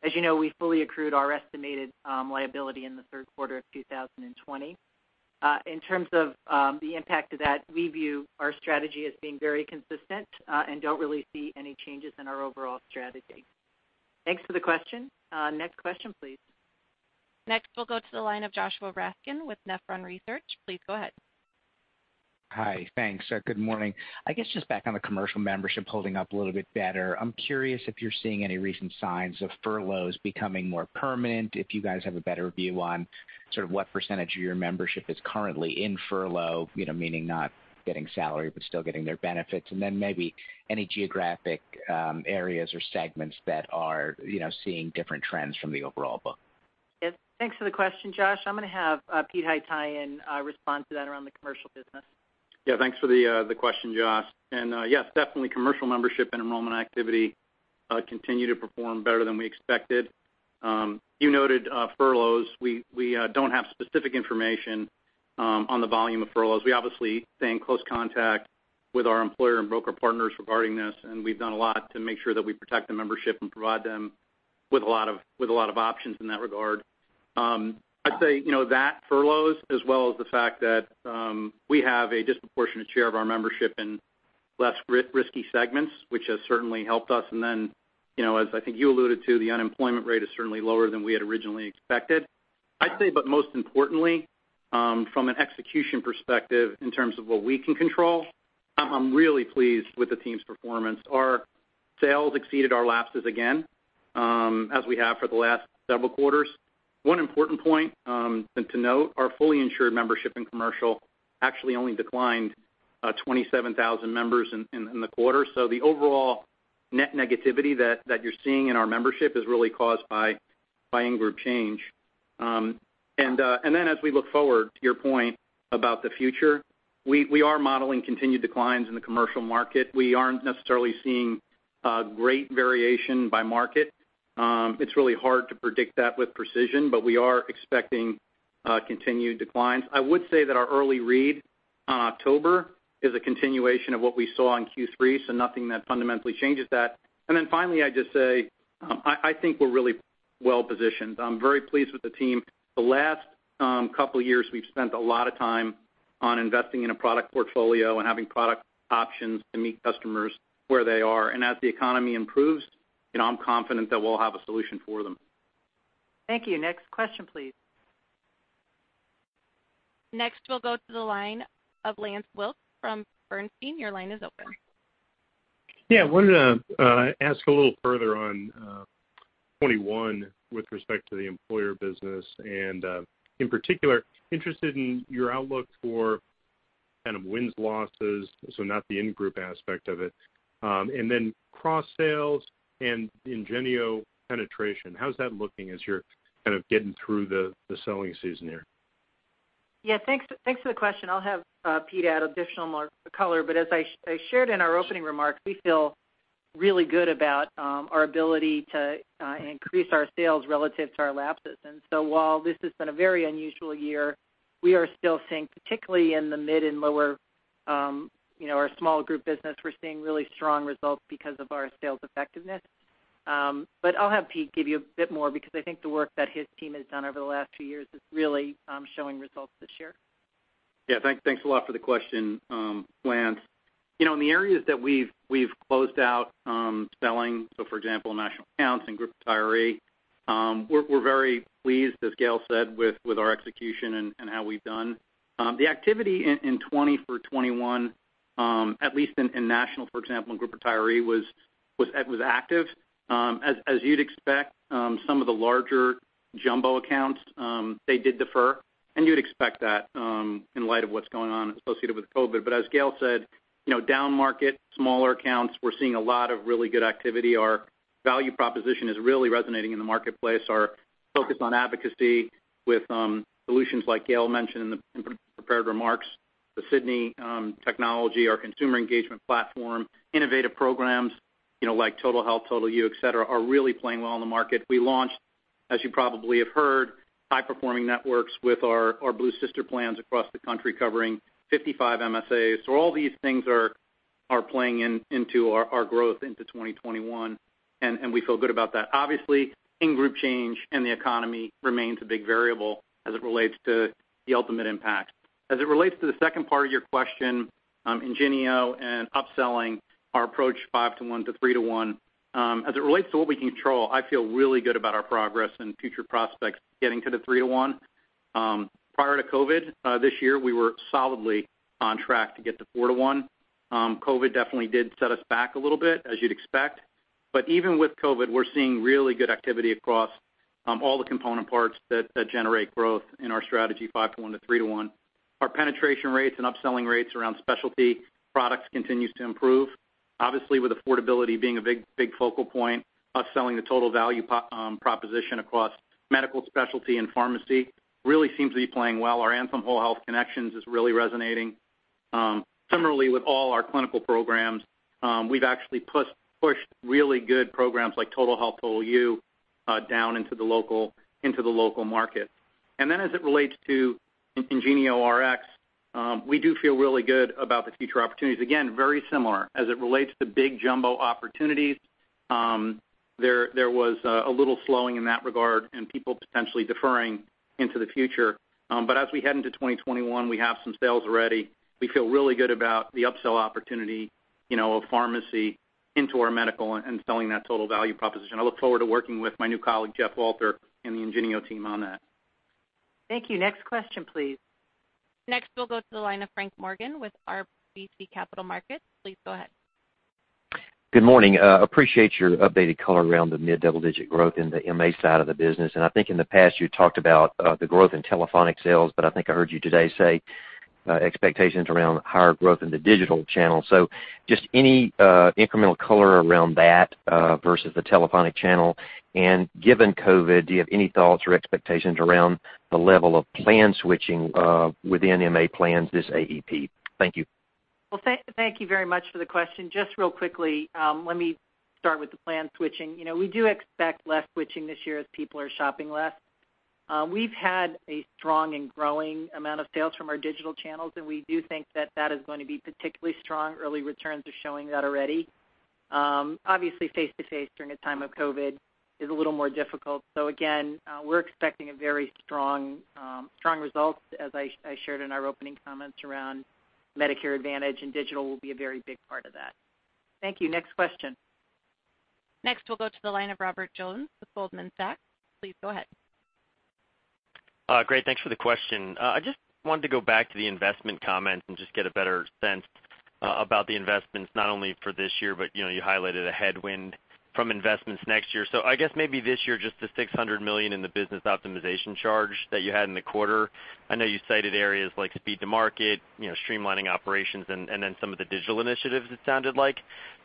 Speaker 3: As you know, we fully accrued our estimated liability in the third quarter of 2020. In terms of the impact of that, we view our strategy as being very consistent and don't really see any changes in our overall strategy. Thanks for the question. Next question, please.
Speaker 1: Next, we'll go to the line of Joshua Raskin with Nephron Research. Please go ahead.
Speaker 14: Hi. Thanks. Good morning. I guess just back on the commercial membership holding up a little bit better. I'm curious if you're seeing any recent signs of furloughs becoming more permanent, if you guys have a better view on sort of what percentage of your membership is currently in furlough, meaning not getting salary, but still getting their benefits. Maybe any geographic areas or segments that are seeing different trends from the overall book.
Speaker 3: Yes. Thanks for the question, Josh. I'm going to have Pete Haytaian respond to that around the commercial business.
Speaker 15: Yeah. Thanks for the question, Josh. Yes, definitely commercial membership and enrollment activity continue to perform better than we expected. You noted furloughs. We don't have specific information on the volume of furloughs. We obviously stay in close contact with our employer and broker partners regarding this, and we've done a lot to make sure that we protect the membership and provide them with a lot of options in that regard. I'd say that furloughs as well as the fact that we have a disproportionate share of our membership in less risky segments, which has certainly helped us. As I think you alluded to, the unemployment rate is certainly lower than we had originally expected. I'd say, most importantly from an execution perspective in terms of what we can control, I'm really pleased with the team's performance. Our sales exceeded our lapses again as we have for the last several quarters. One important point to note, our fully insured membership and commercial actually only declined 27,000 members in the quarter. The overall net negativity that you're seeing in our membership is really caused by in-group change. As we look forward to your point about the future, we are modeling continued declines in the commercial market. We aren't necessarily seeing great variation by market. It's really hard to predict that with precision, we are expecting continued declines. I would say that our early read on October is a continuation of what we saw in Q3, nothing that fundamentally changes that. Finally, I'd just say I think we're really well positioned. I'm very pleased with the team. The last couple of years, we've spent a lot of time on investing in a product portfolio and having product options to meet customers where they are. As the economy improves, I'm confident that we'll have a solution for them.
Speaker 3: Thank you. Next question, please.
Speaker 1: Next, we'll go to the line of Lance Wilkes from Bernstein. Your line is open.
Speaker 16: Yeah. Wanted to ask a little further on 2021 with respect to the employer business and in particular, interested in your outlook for kind of wins, losses, so not the in-group aspect of it. Cross sales and Ingenio penetration. How's that looking as you're kind of getting through the selling season here?
Speaker 3: Yeah. Thanks for the question. I'll have Pete add additional color, but as I shared in our opening remarks, we feel really good about our ability to increase our sales relative to our lapses. While this has been a very unusual year, we are still seeing, particularly in the mid and lower, our small group business, we're seeing really strong results because of our sales effectiveness. I'll have Pete give you a bit more because I think the work that his team has done over the last few years is really showing results this year.
Speaker 15: Thanks a lot for the question, Lance. In the areas that we've closed out selling, so for example, in national accounts and group retiree, we're very pleased, as Gail said, with our execution and how we've done. The activity in 2020 for 2021, at least in national, for example, in group retiree was active. As you'd expect, some of the larger jumbo accounts, they did defer, and you'd expect that in light of what's going on associated with COVID. As Gail said, down market, smaller accounts, we're seeing a lot of really good activity. Our value proposition is really resonating in the marketplace. Our focus on advocacy with solutions like Gail mentioned in the prepared remarks, the Sydney technology, our consumer engagement platform, innovative programs like Total Health, Total You, et cetera, are really playing well in the market. We launched, as you probably have heard, high performing networks with our Blue sister plans across the country covering 55 MSAs. All these things are playing into our growth into 2021, and we feel good about that. Obviously, in-group change and the economy remains a big variable as it relates to the ultimate impact. As it relates to the second part of your question, Ingenio and upselling our approach five to one to three to one. As it relates to what we control, I feel really good about our progress and future prospects getting to the three to one. Prior to COVID this year, we were solidly on track to get to four to one. COVID definitely did set us back a little bit as you'd expect. Even with COVID, we're seeing really good activity across all the component parts that generate growth in our strategy five to one to three to one. Our penetration rates and upselling rates around specialty products continue to improve. Obviously, with affordability being a big focal point, us selling the total value proposition across medical specialty and pharmacy really seems to be playing well. Our Anthem Whole Health Connection is really resonating. Similarly, with all our clinical programs, we've actually pushed really good programs like Total Health, Total You down into the local market. As it relates to IngenioRx, we do feel really good about the future opportunities. Again, very similar. As it relates to big jumbo opportunities, there was a little slowing in that regard and people potentially deferring into the future. As we head into 2021, we have some sales already. We feel really good about the upsell opportunity, of pharmacy into our medical and selling that total value proposition. I look forward to working with my new colleague, Jeff Alter, and the Ingenio team on that.
Speaker 3: Thank you. Next question, please.
Speaker 1: Next, we'll go to the line of Frank Morgan with RBC Capital Markets. Please go ahead.
Speaker 17: Good morning. Appreciate your updated color around the mid-double-digit growth in the MA side of the business. I think in the past, you talked about the growth in telephonic sales, but I think I heard you today say expectations around higher growth in the digital channel. Just any incremental color around that, versus the telephonic channel. Given COVID, do you have any thoughts or expectations around the level of plan switching within MA plans this AEP? Thank you.
Speaker 3: Well, thank you very much for the question. Just real quickly, let me start with the plan switching. We do expect less switching this year as people are shopping less. We've had a strong and growing amount of sales from our digital channels, and we do think that that is going to be particularly strong. Early returns are showing that already. Obviously, face-to-face during a time of COVID is a little more difficult. Again, we're expecting very strong results, as I shared in our opening comments around Medicare Advantage, and digital will be a very big part of that. Thank you. Next question.
Speaker 1: Next, we'll go to the line of Robert Jones with Goldman Sachs. Please go ahead.
Speaker 18: Great, thanks for the question. I just wanted to go back to the investment comment and just get a better sense about the investments, not only for this year, but you highlighted a headwind from investments next year. I guess maybe this year, just the $600 million in the business optimization charge that you had in the quarter. I know you cited areas like speed to market, streamlining operations, and then some of the digital initiatives, it sounded like.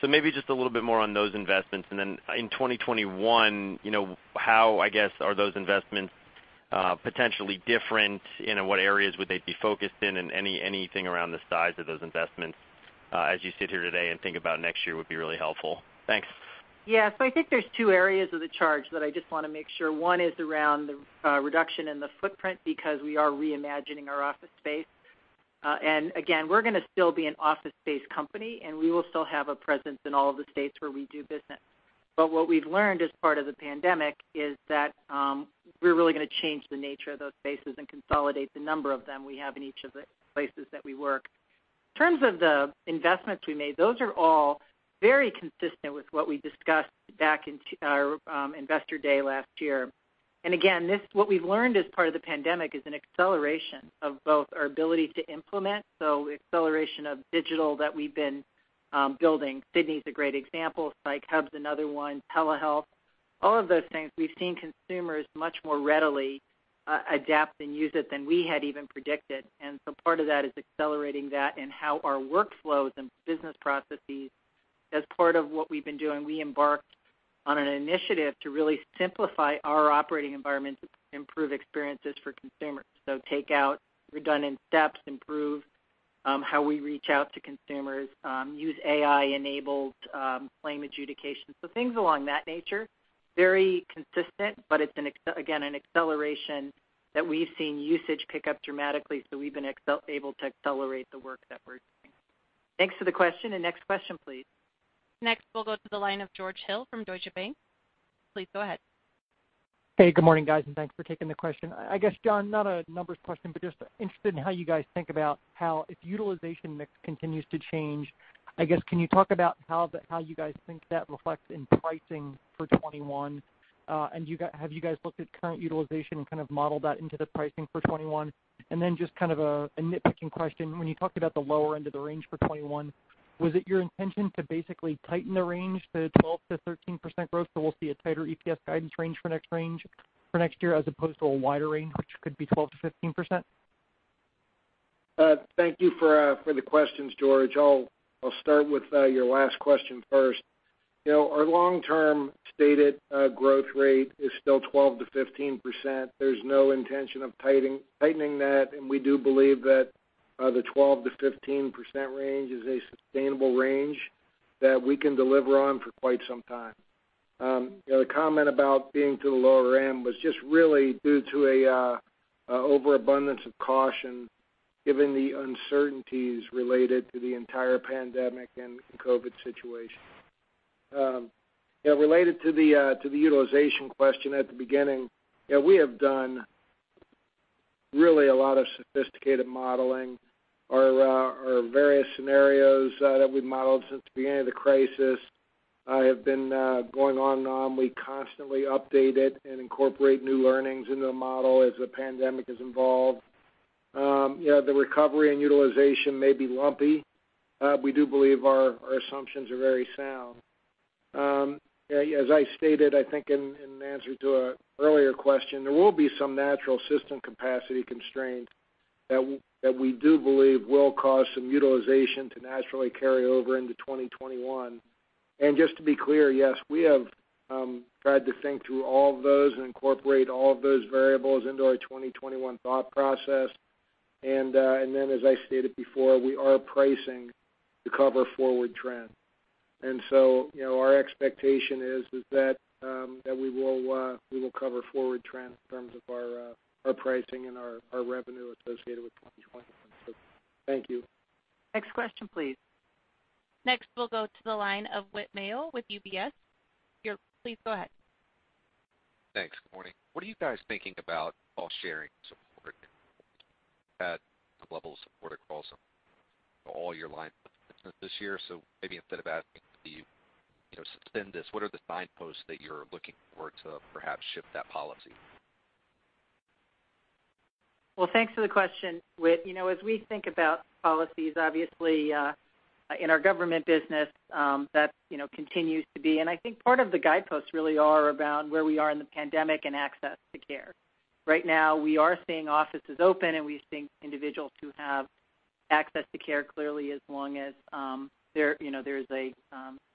Speaker 18: Maybe just a little bit more on those investments, and then in 2021, how, I guess, are those investments potentially different? What areas would they be focused in? Anything around the size of those investments, as you sit here today and think about next year would be really helpful. Thanks.
Speaker 3: I think there's two areas of the charge that I just want to make sure. One is around the reduction in the footprint because we are reimagining our office space. Again, we're going to still be an office space company, and we will still have a presence in all of the states where we do business. What we've learned as part of the pandemic is that we're really going to change the nature of those spaces and consolidate the number of them we have in each of the places that we work. In terms of the investments we made, those are all very consistent with what we discussed back in our Investor Day last year. Again, what we've learned as part of the pandemic is an acceleration of both our ability to implement, so acceleration of digital that we've been building. Sydney's a great example. Psych Hub's another one. Telehealth. All of those things, we've seen consumers much more readily adapt and use it than we had even predicted. Part of that is accelerating that and how our workflows and business processes, as part of what we've been doing, we embarked on an initiative to really simplify our operating environment to improve experiences for consumers. Take out redundant steps, improve how we reach out to consumers, use AI-enabled claim adjudication. Things along that nature, very consistent, but it's, again, an acceleration that we've seen usage pick up dramatically, so we've been able to accelerate the work that we're doing. Thanks for the question. Next question, please.
Speaker 1: Next, we'll go to the line of George Hill from Deutsche Bank. Please go ahead.
Speaker 19: Hey, good morning, guys. Thanks for taking the question. I guess, John, not a numbers question, but just interested in how you guys think about how, if utilization mix continues to change, I guess, can you talk about how you guys think that reflects in pricing for 2021? Have you guys looked at current utilization and kind of modeled that into the pricing for 2021? Just kind of a nitpicking question. When you talked about the lower end of the range for 2021, was it your intention to basically tighten the range to 12%-13% growth, so we'll see a tighter EPS guidance range for next year, as opposed to a wider range, which could be 12%-15%?
Speaker 4: Thank you for the questions, George. I'll start with your last question first. Our long-term stated growth rate is still 12%-15%. There's no intention of tightening that. We do believe that the 12%-15% range is a sustainable range that we can deliver on for quite some time. The comment about being to the lower end was just really due to an overabundance of caution given the uncertainties related to the entire pandemic and COVID situation. Related to the utilization question at the beginning, we have done really a lot of sophisticated modeling. Our various scenarios that we've modeled since the beginning of the crisis have been going on and on. We constantly update it and incorporate new learnings into the model as the pandemic has evolved. The recovery and utilization may be lumpy. We do believe our assumptions are very sound. As I stated, I think in answer to an earlier question, there will be some natural system capacity constraints that we do believe will cause some utilization to naturally carry over into 2021. Just to be clear, yes, we have tried to think through all of those and incorporate all of those variables into our 2021 thought process. As I stated before, we are pricing to cover forward trend. Our expectation is that we will cover forward trend in terms of our pricing and our revenue associated with 2021. Thank you.
Speaker 3: Next question, please.
Speaker 1: Next, we'll go to the line of Whit Mayo with UBS. Please go ahead.
Speaker 20: Thanks. Good morning. What are you guys thinking about cost-sharing support at the level of support across all your lines of business this year? Maybe instead of asking if you suspend this, what are the signposts that you're looking for to perhaps shift that policy?
Speaker 3: Well, thanks for the question, Whit. As we think about policies, obviously, in our government business, that continues to be. I think part of the guideposts really are around where we are in the pandemic and access to care. Right now, we are seeing offices open, and we are seeing individuals who have access to care clearly as long as there is a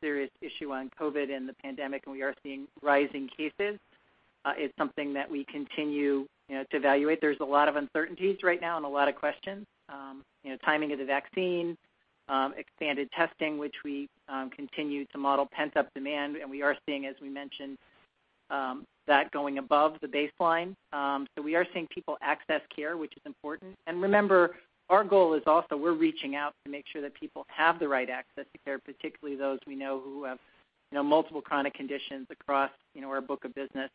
Speaker 3: serious issue on COVID and the pandemic, and we are seeing rising cases. It's something that we continue to evaluate. There's a lot of uncertainties right now and a lot of questions. Timing of the vaccine, expanded testing, which we continue to model, pent-up demand, and we are seeing, as we mentioned, that going above the baseline. We are seeing people access care, which is important. Remember, our goal is also we're reaching out to make sure that people have the right access to care, particularly those we know who have multiple chronic conditions across our book of business.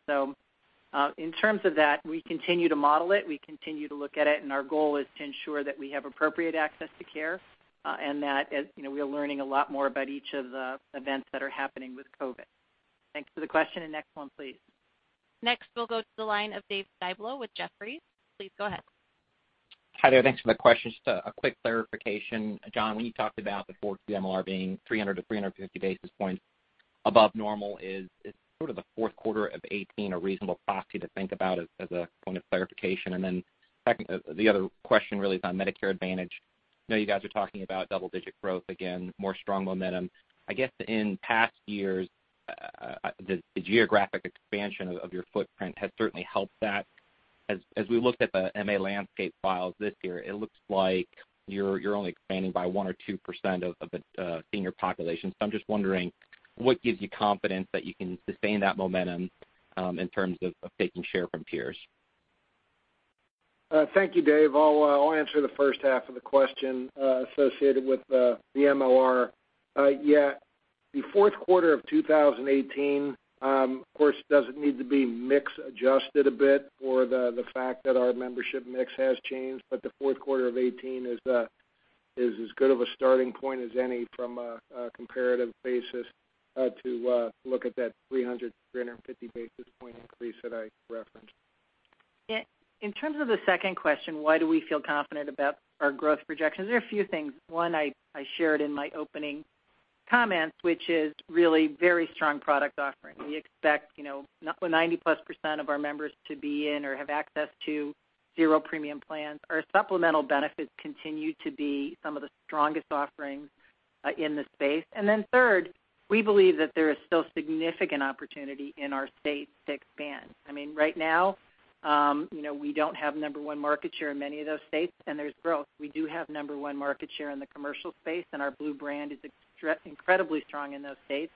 Speaker 3: In terms of that, we continue to model it, we continue to look at it, and our goal is to ensure that we have appropriate access to care, and that we are learning a lot more about each of the events that are happening with COVID. Thanks for the question. Next one, please.
Speaker 1: Next, we'll go to the line of Dave Styblo with Jefferies. Please go ahead.
Speaker 21: Hi there. Thanks for the question. Just a quick clarification. John, when you talked about the forward MLR being 300-350 basis points above normal, is sort of the fourth quarter of 2018 a reasonable proxy to think about as a point of clarification? The other question really is on Medicare Advantage. I know you guys are talking about double-digit growth, again, more strong momentum. I guess in past years, the geographic expansion of your footprint has certainly helped that. As we looked at the MA landscape files this year, it looks like you're only expanding by 1% or 2% of the senior population. I'm just wondering what gives you confidence that you can sustain that momentum in terms of taking share from peers.
Speaker 4: Thank you, Dave. I'll answer the first half of the question associated with the MLR. Yeah, the fourth quarter of 2018, of course, doesn't need to be mix-adjusted a bit for the fact that our membership mix has changed, but the fourth quarter of 2018 is as good of a starting point as any from a comparative basis to look at that 300-350 basis point increase that I referenced.
Speaker 3: In terms of the second question, why do we feel confident about our growth projections? There are a few things. One, I shared in my opening comments, which is really very strong product offering. We expect 90%+ of our members to be in or have access to zero premium plans. Our supplemental benefits continue to be some of the strongest offerings in the space. Third, we believe that there is still significant opportunity in our states to expand. Right now, we don't have number one market share in many of those states, and there's growth. We do have number one market share in the commercial space, and our Blue brand is incredibly strong in those states.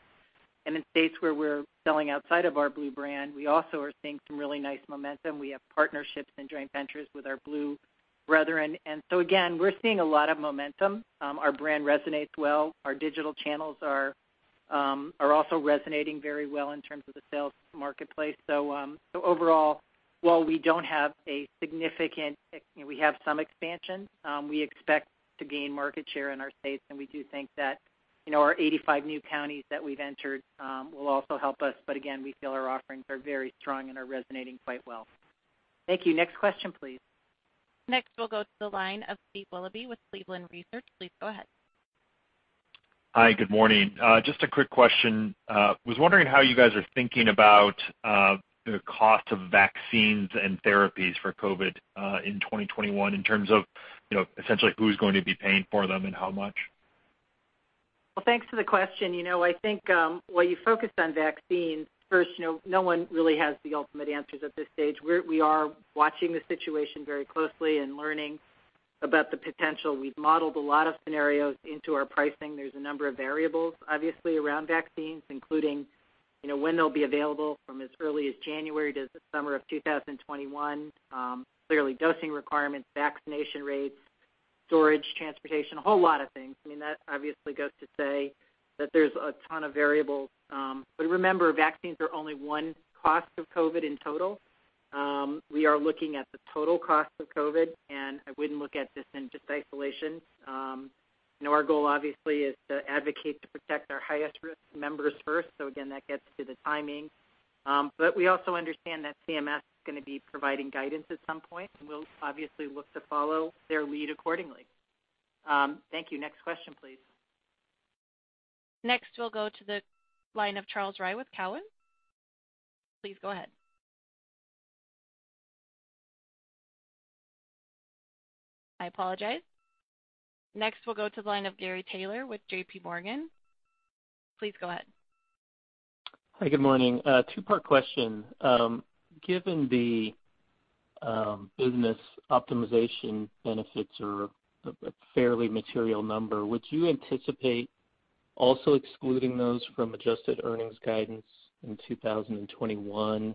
Speaker 3: In states where we're selling outside of our Blue brand, we also are seeing some really nice momentum. We have partnerships and joint ventures with our Blue brethren. Again, we're seeing a lot of momentum. Our brand resonates well. Our digital channels are also resonating very well in terms of the sales marketplace. Overall, while we don't have a significant-- We have some expansion, we expect to gain market share in our states, and we do think that our 85 new counties that we've entered will also help us. Again, we feel our offerings are very strong and are resonating quite well. Thank you. Next question, please.
Speaker 1: Next, we'll go to the line of Steve Willoughby with Cleveland Research. Please go ahead.
Speaker 22: Hi, good morning. Just a quick question. Was wondering how you guys are thinking about the cost of vaccines and therapies for COVID in 2021 in terms of essentially who's going to be paying for them and how much?
Speaker 3: Well, thanks for the question. I think while you focused on vaccines, first, no one really has the ultimate answers at this stage. We are watching the situation very closely and learning about the potential. We've modeled a lot of scenarios into our pricing. There is a number of variables, obviously, around vaccines, including when they'll be available from as early as January to the summer of 2021. Clearly dosing requirements, vaccination rates, storage, transportation, a whole lot of things. That obviously goes to say that there is a ton of variables. Remember, vaccines are only one cost of COVID in total. We are looking at the total cost of COVID, I wouldn't look at this in just isolation. Our goal, obviously, is to advocate to protect our highest risk members first. Again, that gets to the timing. We also understand that CMS is going to be providing guidance at some point, and we'll obviously look to follow their lead accordingly. Thank you. Next question, please.
Speaker 1: Next, we'll go to the line of Charles Rhyee with Cowen. Please go ahead. I apologize. Next, we'll go to the line of Gary Taylor with JPMorgan. Please go ahead.
Speaker 23: Hi, good morning. Two-part question. Given the business optimization benefits are a fairly material number, would you anticipate also excluding those from adjusted earnings guidance in 2021?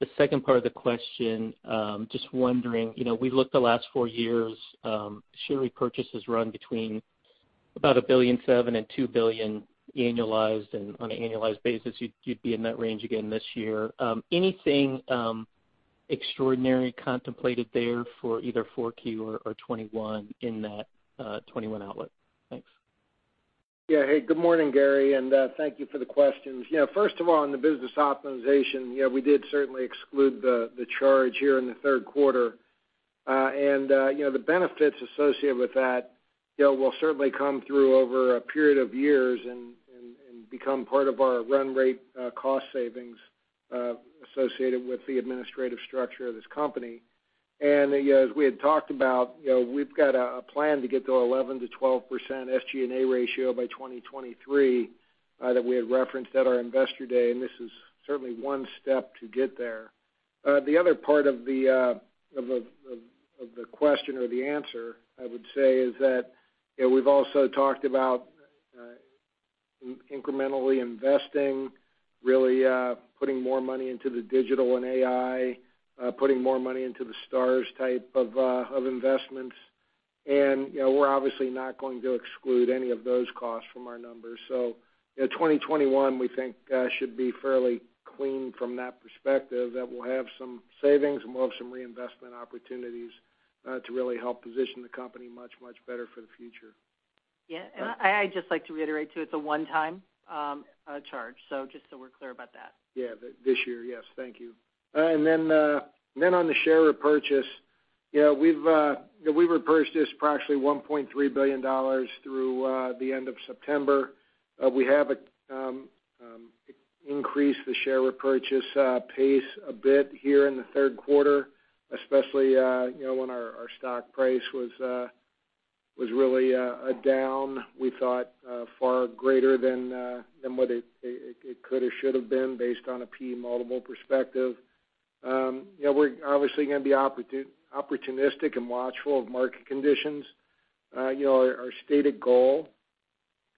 Speaker 23: The second part of the question, just wondering, we looked the last four years, share repurchases run between about $1.7 billion and $2 billion annualized. On an annualized basis, you'd be in that range again this year. Anything extraordinary contemplated there for either 4Q or 2021 in that 2021 outlook? Thanks.
Speaker 4: Yeah. Hey, good morning, Gary, thank you for the questions. First of all, on the business optimization, we did certainly exclude the charge here in the third quarter. The benefits associated with that will certainly come through over a period of years and become part of our run rate cost savings associated with the administrative structure of this company. As we had talked about, we've got a plan to get to 11%-12% SG&A ratio by 2023 that we had referenced at our Investor Day, and this is certainly one step to get there. The other part of the question or the answer, I would say, is that we've also talked about incrementally investing, really putting more money into the digital and AI, putting more money into the stars type of investments. We're obviously not going to exclude any of those costs from our numbers. 2021, we think, should be fairly clean from that perspective, that we'll have some savings and we'll have some reinvestment opportunities to really help position the company much, much better for the future.
Speaker 3: Yeah, I'd just like to reiterate, too, it's a one-time charge. Just so we're clear about that.
Speaker 4: Yeah. This year, yes. Thank you. On the share repurchase, we've repurchased approximately $1.3 billion through the end of September. We have increased the share repurchase pace a bit here in the third quarter, especially when our stock price was really down, we thought far greater than what it could or should have been based on a P/E multiple perspective. We're obviously going to be opportunistic and watchful of market conditions. Our stated goal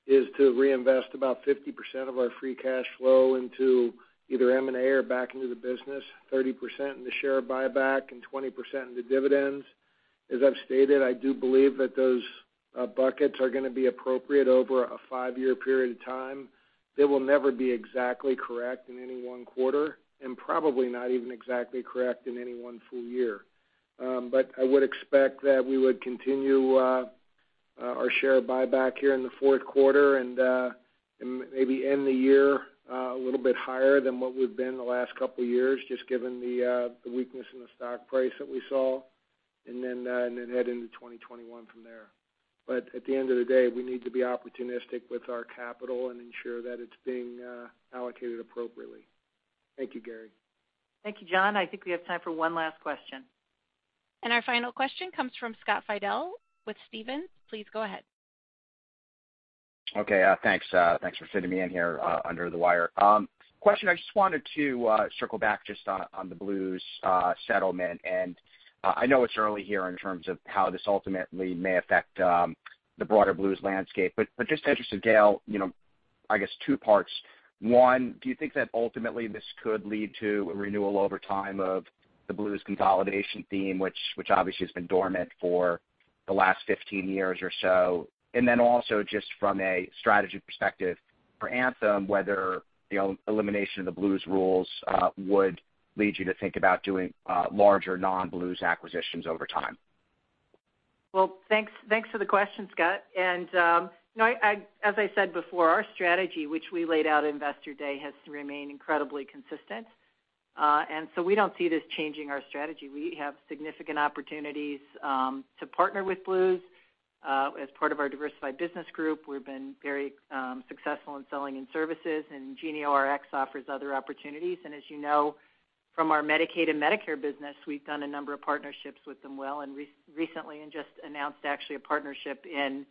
Speaker 4: is to reinvest about 50% of our free cash flow into either M&A or back into the business, 30% in the share buyback, and 20% in the dividends. As I've stated, I do believe that those buckets are going to be appropriate over a five-year period of time. They will never be exactly correct in any one quarter, and probably not even exactly correct in any one full year. I would expect that we would continue our share buyback here in the fourth quarter and maybe end the year a little bit higher than what we've been the last couple of years, just given the weakness in the stock price that we saw, and then head into 2021 from there. At the end of the day, we need to be opportunistic with our capital and ensure that it's being allocated appropriately. Thank you, Gary.
Speaker 3: Thank you, John. I think we have time for one last question.
Speaker 1: Our final question comes from Scott Fidel with Stephens. Please go ahead.
Speaker 24: Okay. Thanks for fitting me in here under the wire. Question, I just wanted to circle back just on the Blues settlement, and I know it's early here in terms of how this ultimately may affect the broader Blues landscape, but just interested, Gail, I guess two parts. One, do you think that ultimately this could lead to a renewal over time of the Blues consolidation theme, which obviously has been dormant for the last 15 years or so? Also just from a strategy perspective for Anthem, whether the elimination of the Blues rules would lead you to think about doing larger non-Blues acquisitions over time?
Speaker 3: Well, thanks for the question, Scott. As I said before, our strategy, which we laid out at Investor Day, has remained incredibly consistent. I don't see this changing our strategy. We have significant opportunities to partner with Blues as part of our diversified business group. We've been very successful in selling in services, IngenioRx offers other opportunities. As you know from our Medicaid and Medicare business, we've done a number of partnerships with them well and recently just announced actually a partnership in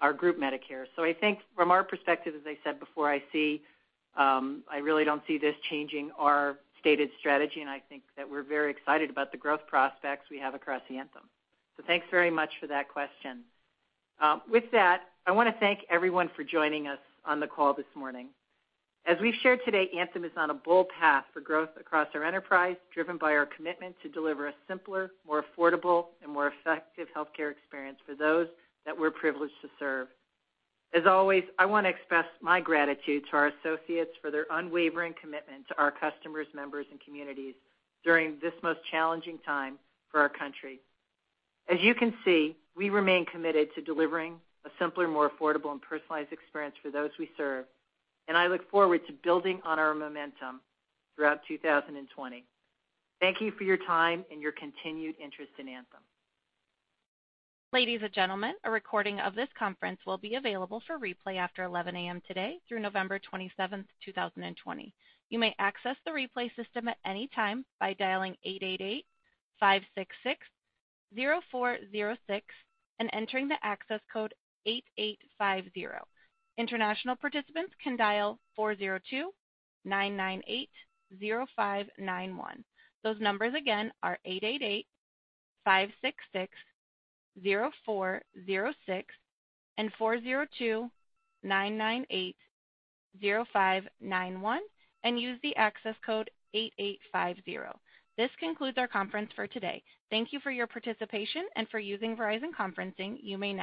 Speaker 3: our group Medicare. I think from our perspective, as I said before, I really don't see this changing our stated strategy, I think that we're very excited about the growth prospects we have across the Anthem. Thanks very much for that question. With that, I want to thank everyone for joining us on the call this morning. As we've shared today, Anthem is on a bold path for growth across our enterprise, driven by our commitment to deliver a simpler, more affordable, and more effective healthcare experience for those that we're privileged to serve. As always, I want to express my gratitude to our associates for their unwavering commitment to our customers, members, and communities during this most challenging time for our country. As you can see, we remain committed to delivering a simpler, more affordable, and personalized experience for those we serve, and I look forward to building on our momentum throughout 2020. Thank you for your time and your continued interest in Anthem.
Speaker 1: Ladies and gentlemen, a recording of this conference will be available for replay after 11:00 A.M. today through November 27th, 2020. You may access the replay system at any time by dialing 888-566-0406 and entering the access code 8850. International participants can dial 402-998-0591. Those numbers again are 888-566-0406 and 402-998-0591, and use the access code 8850. This concludes our conference for today. Thank you for your participation and for using Verizon Conferencing. You may now disconnect.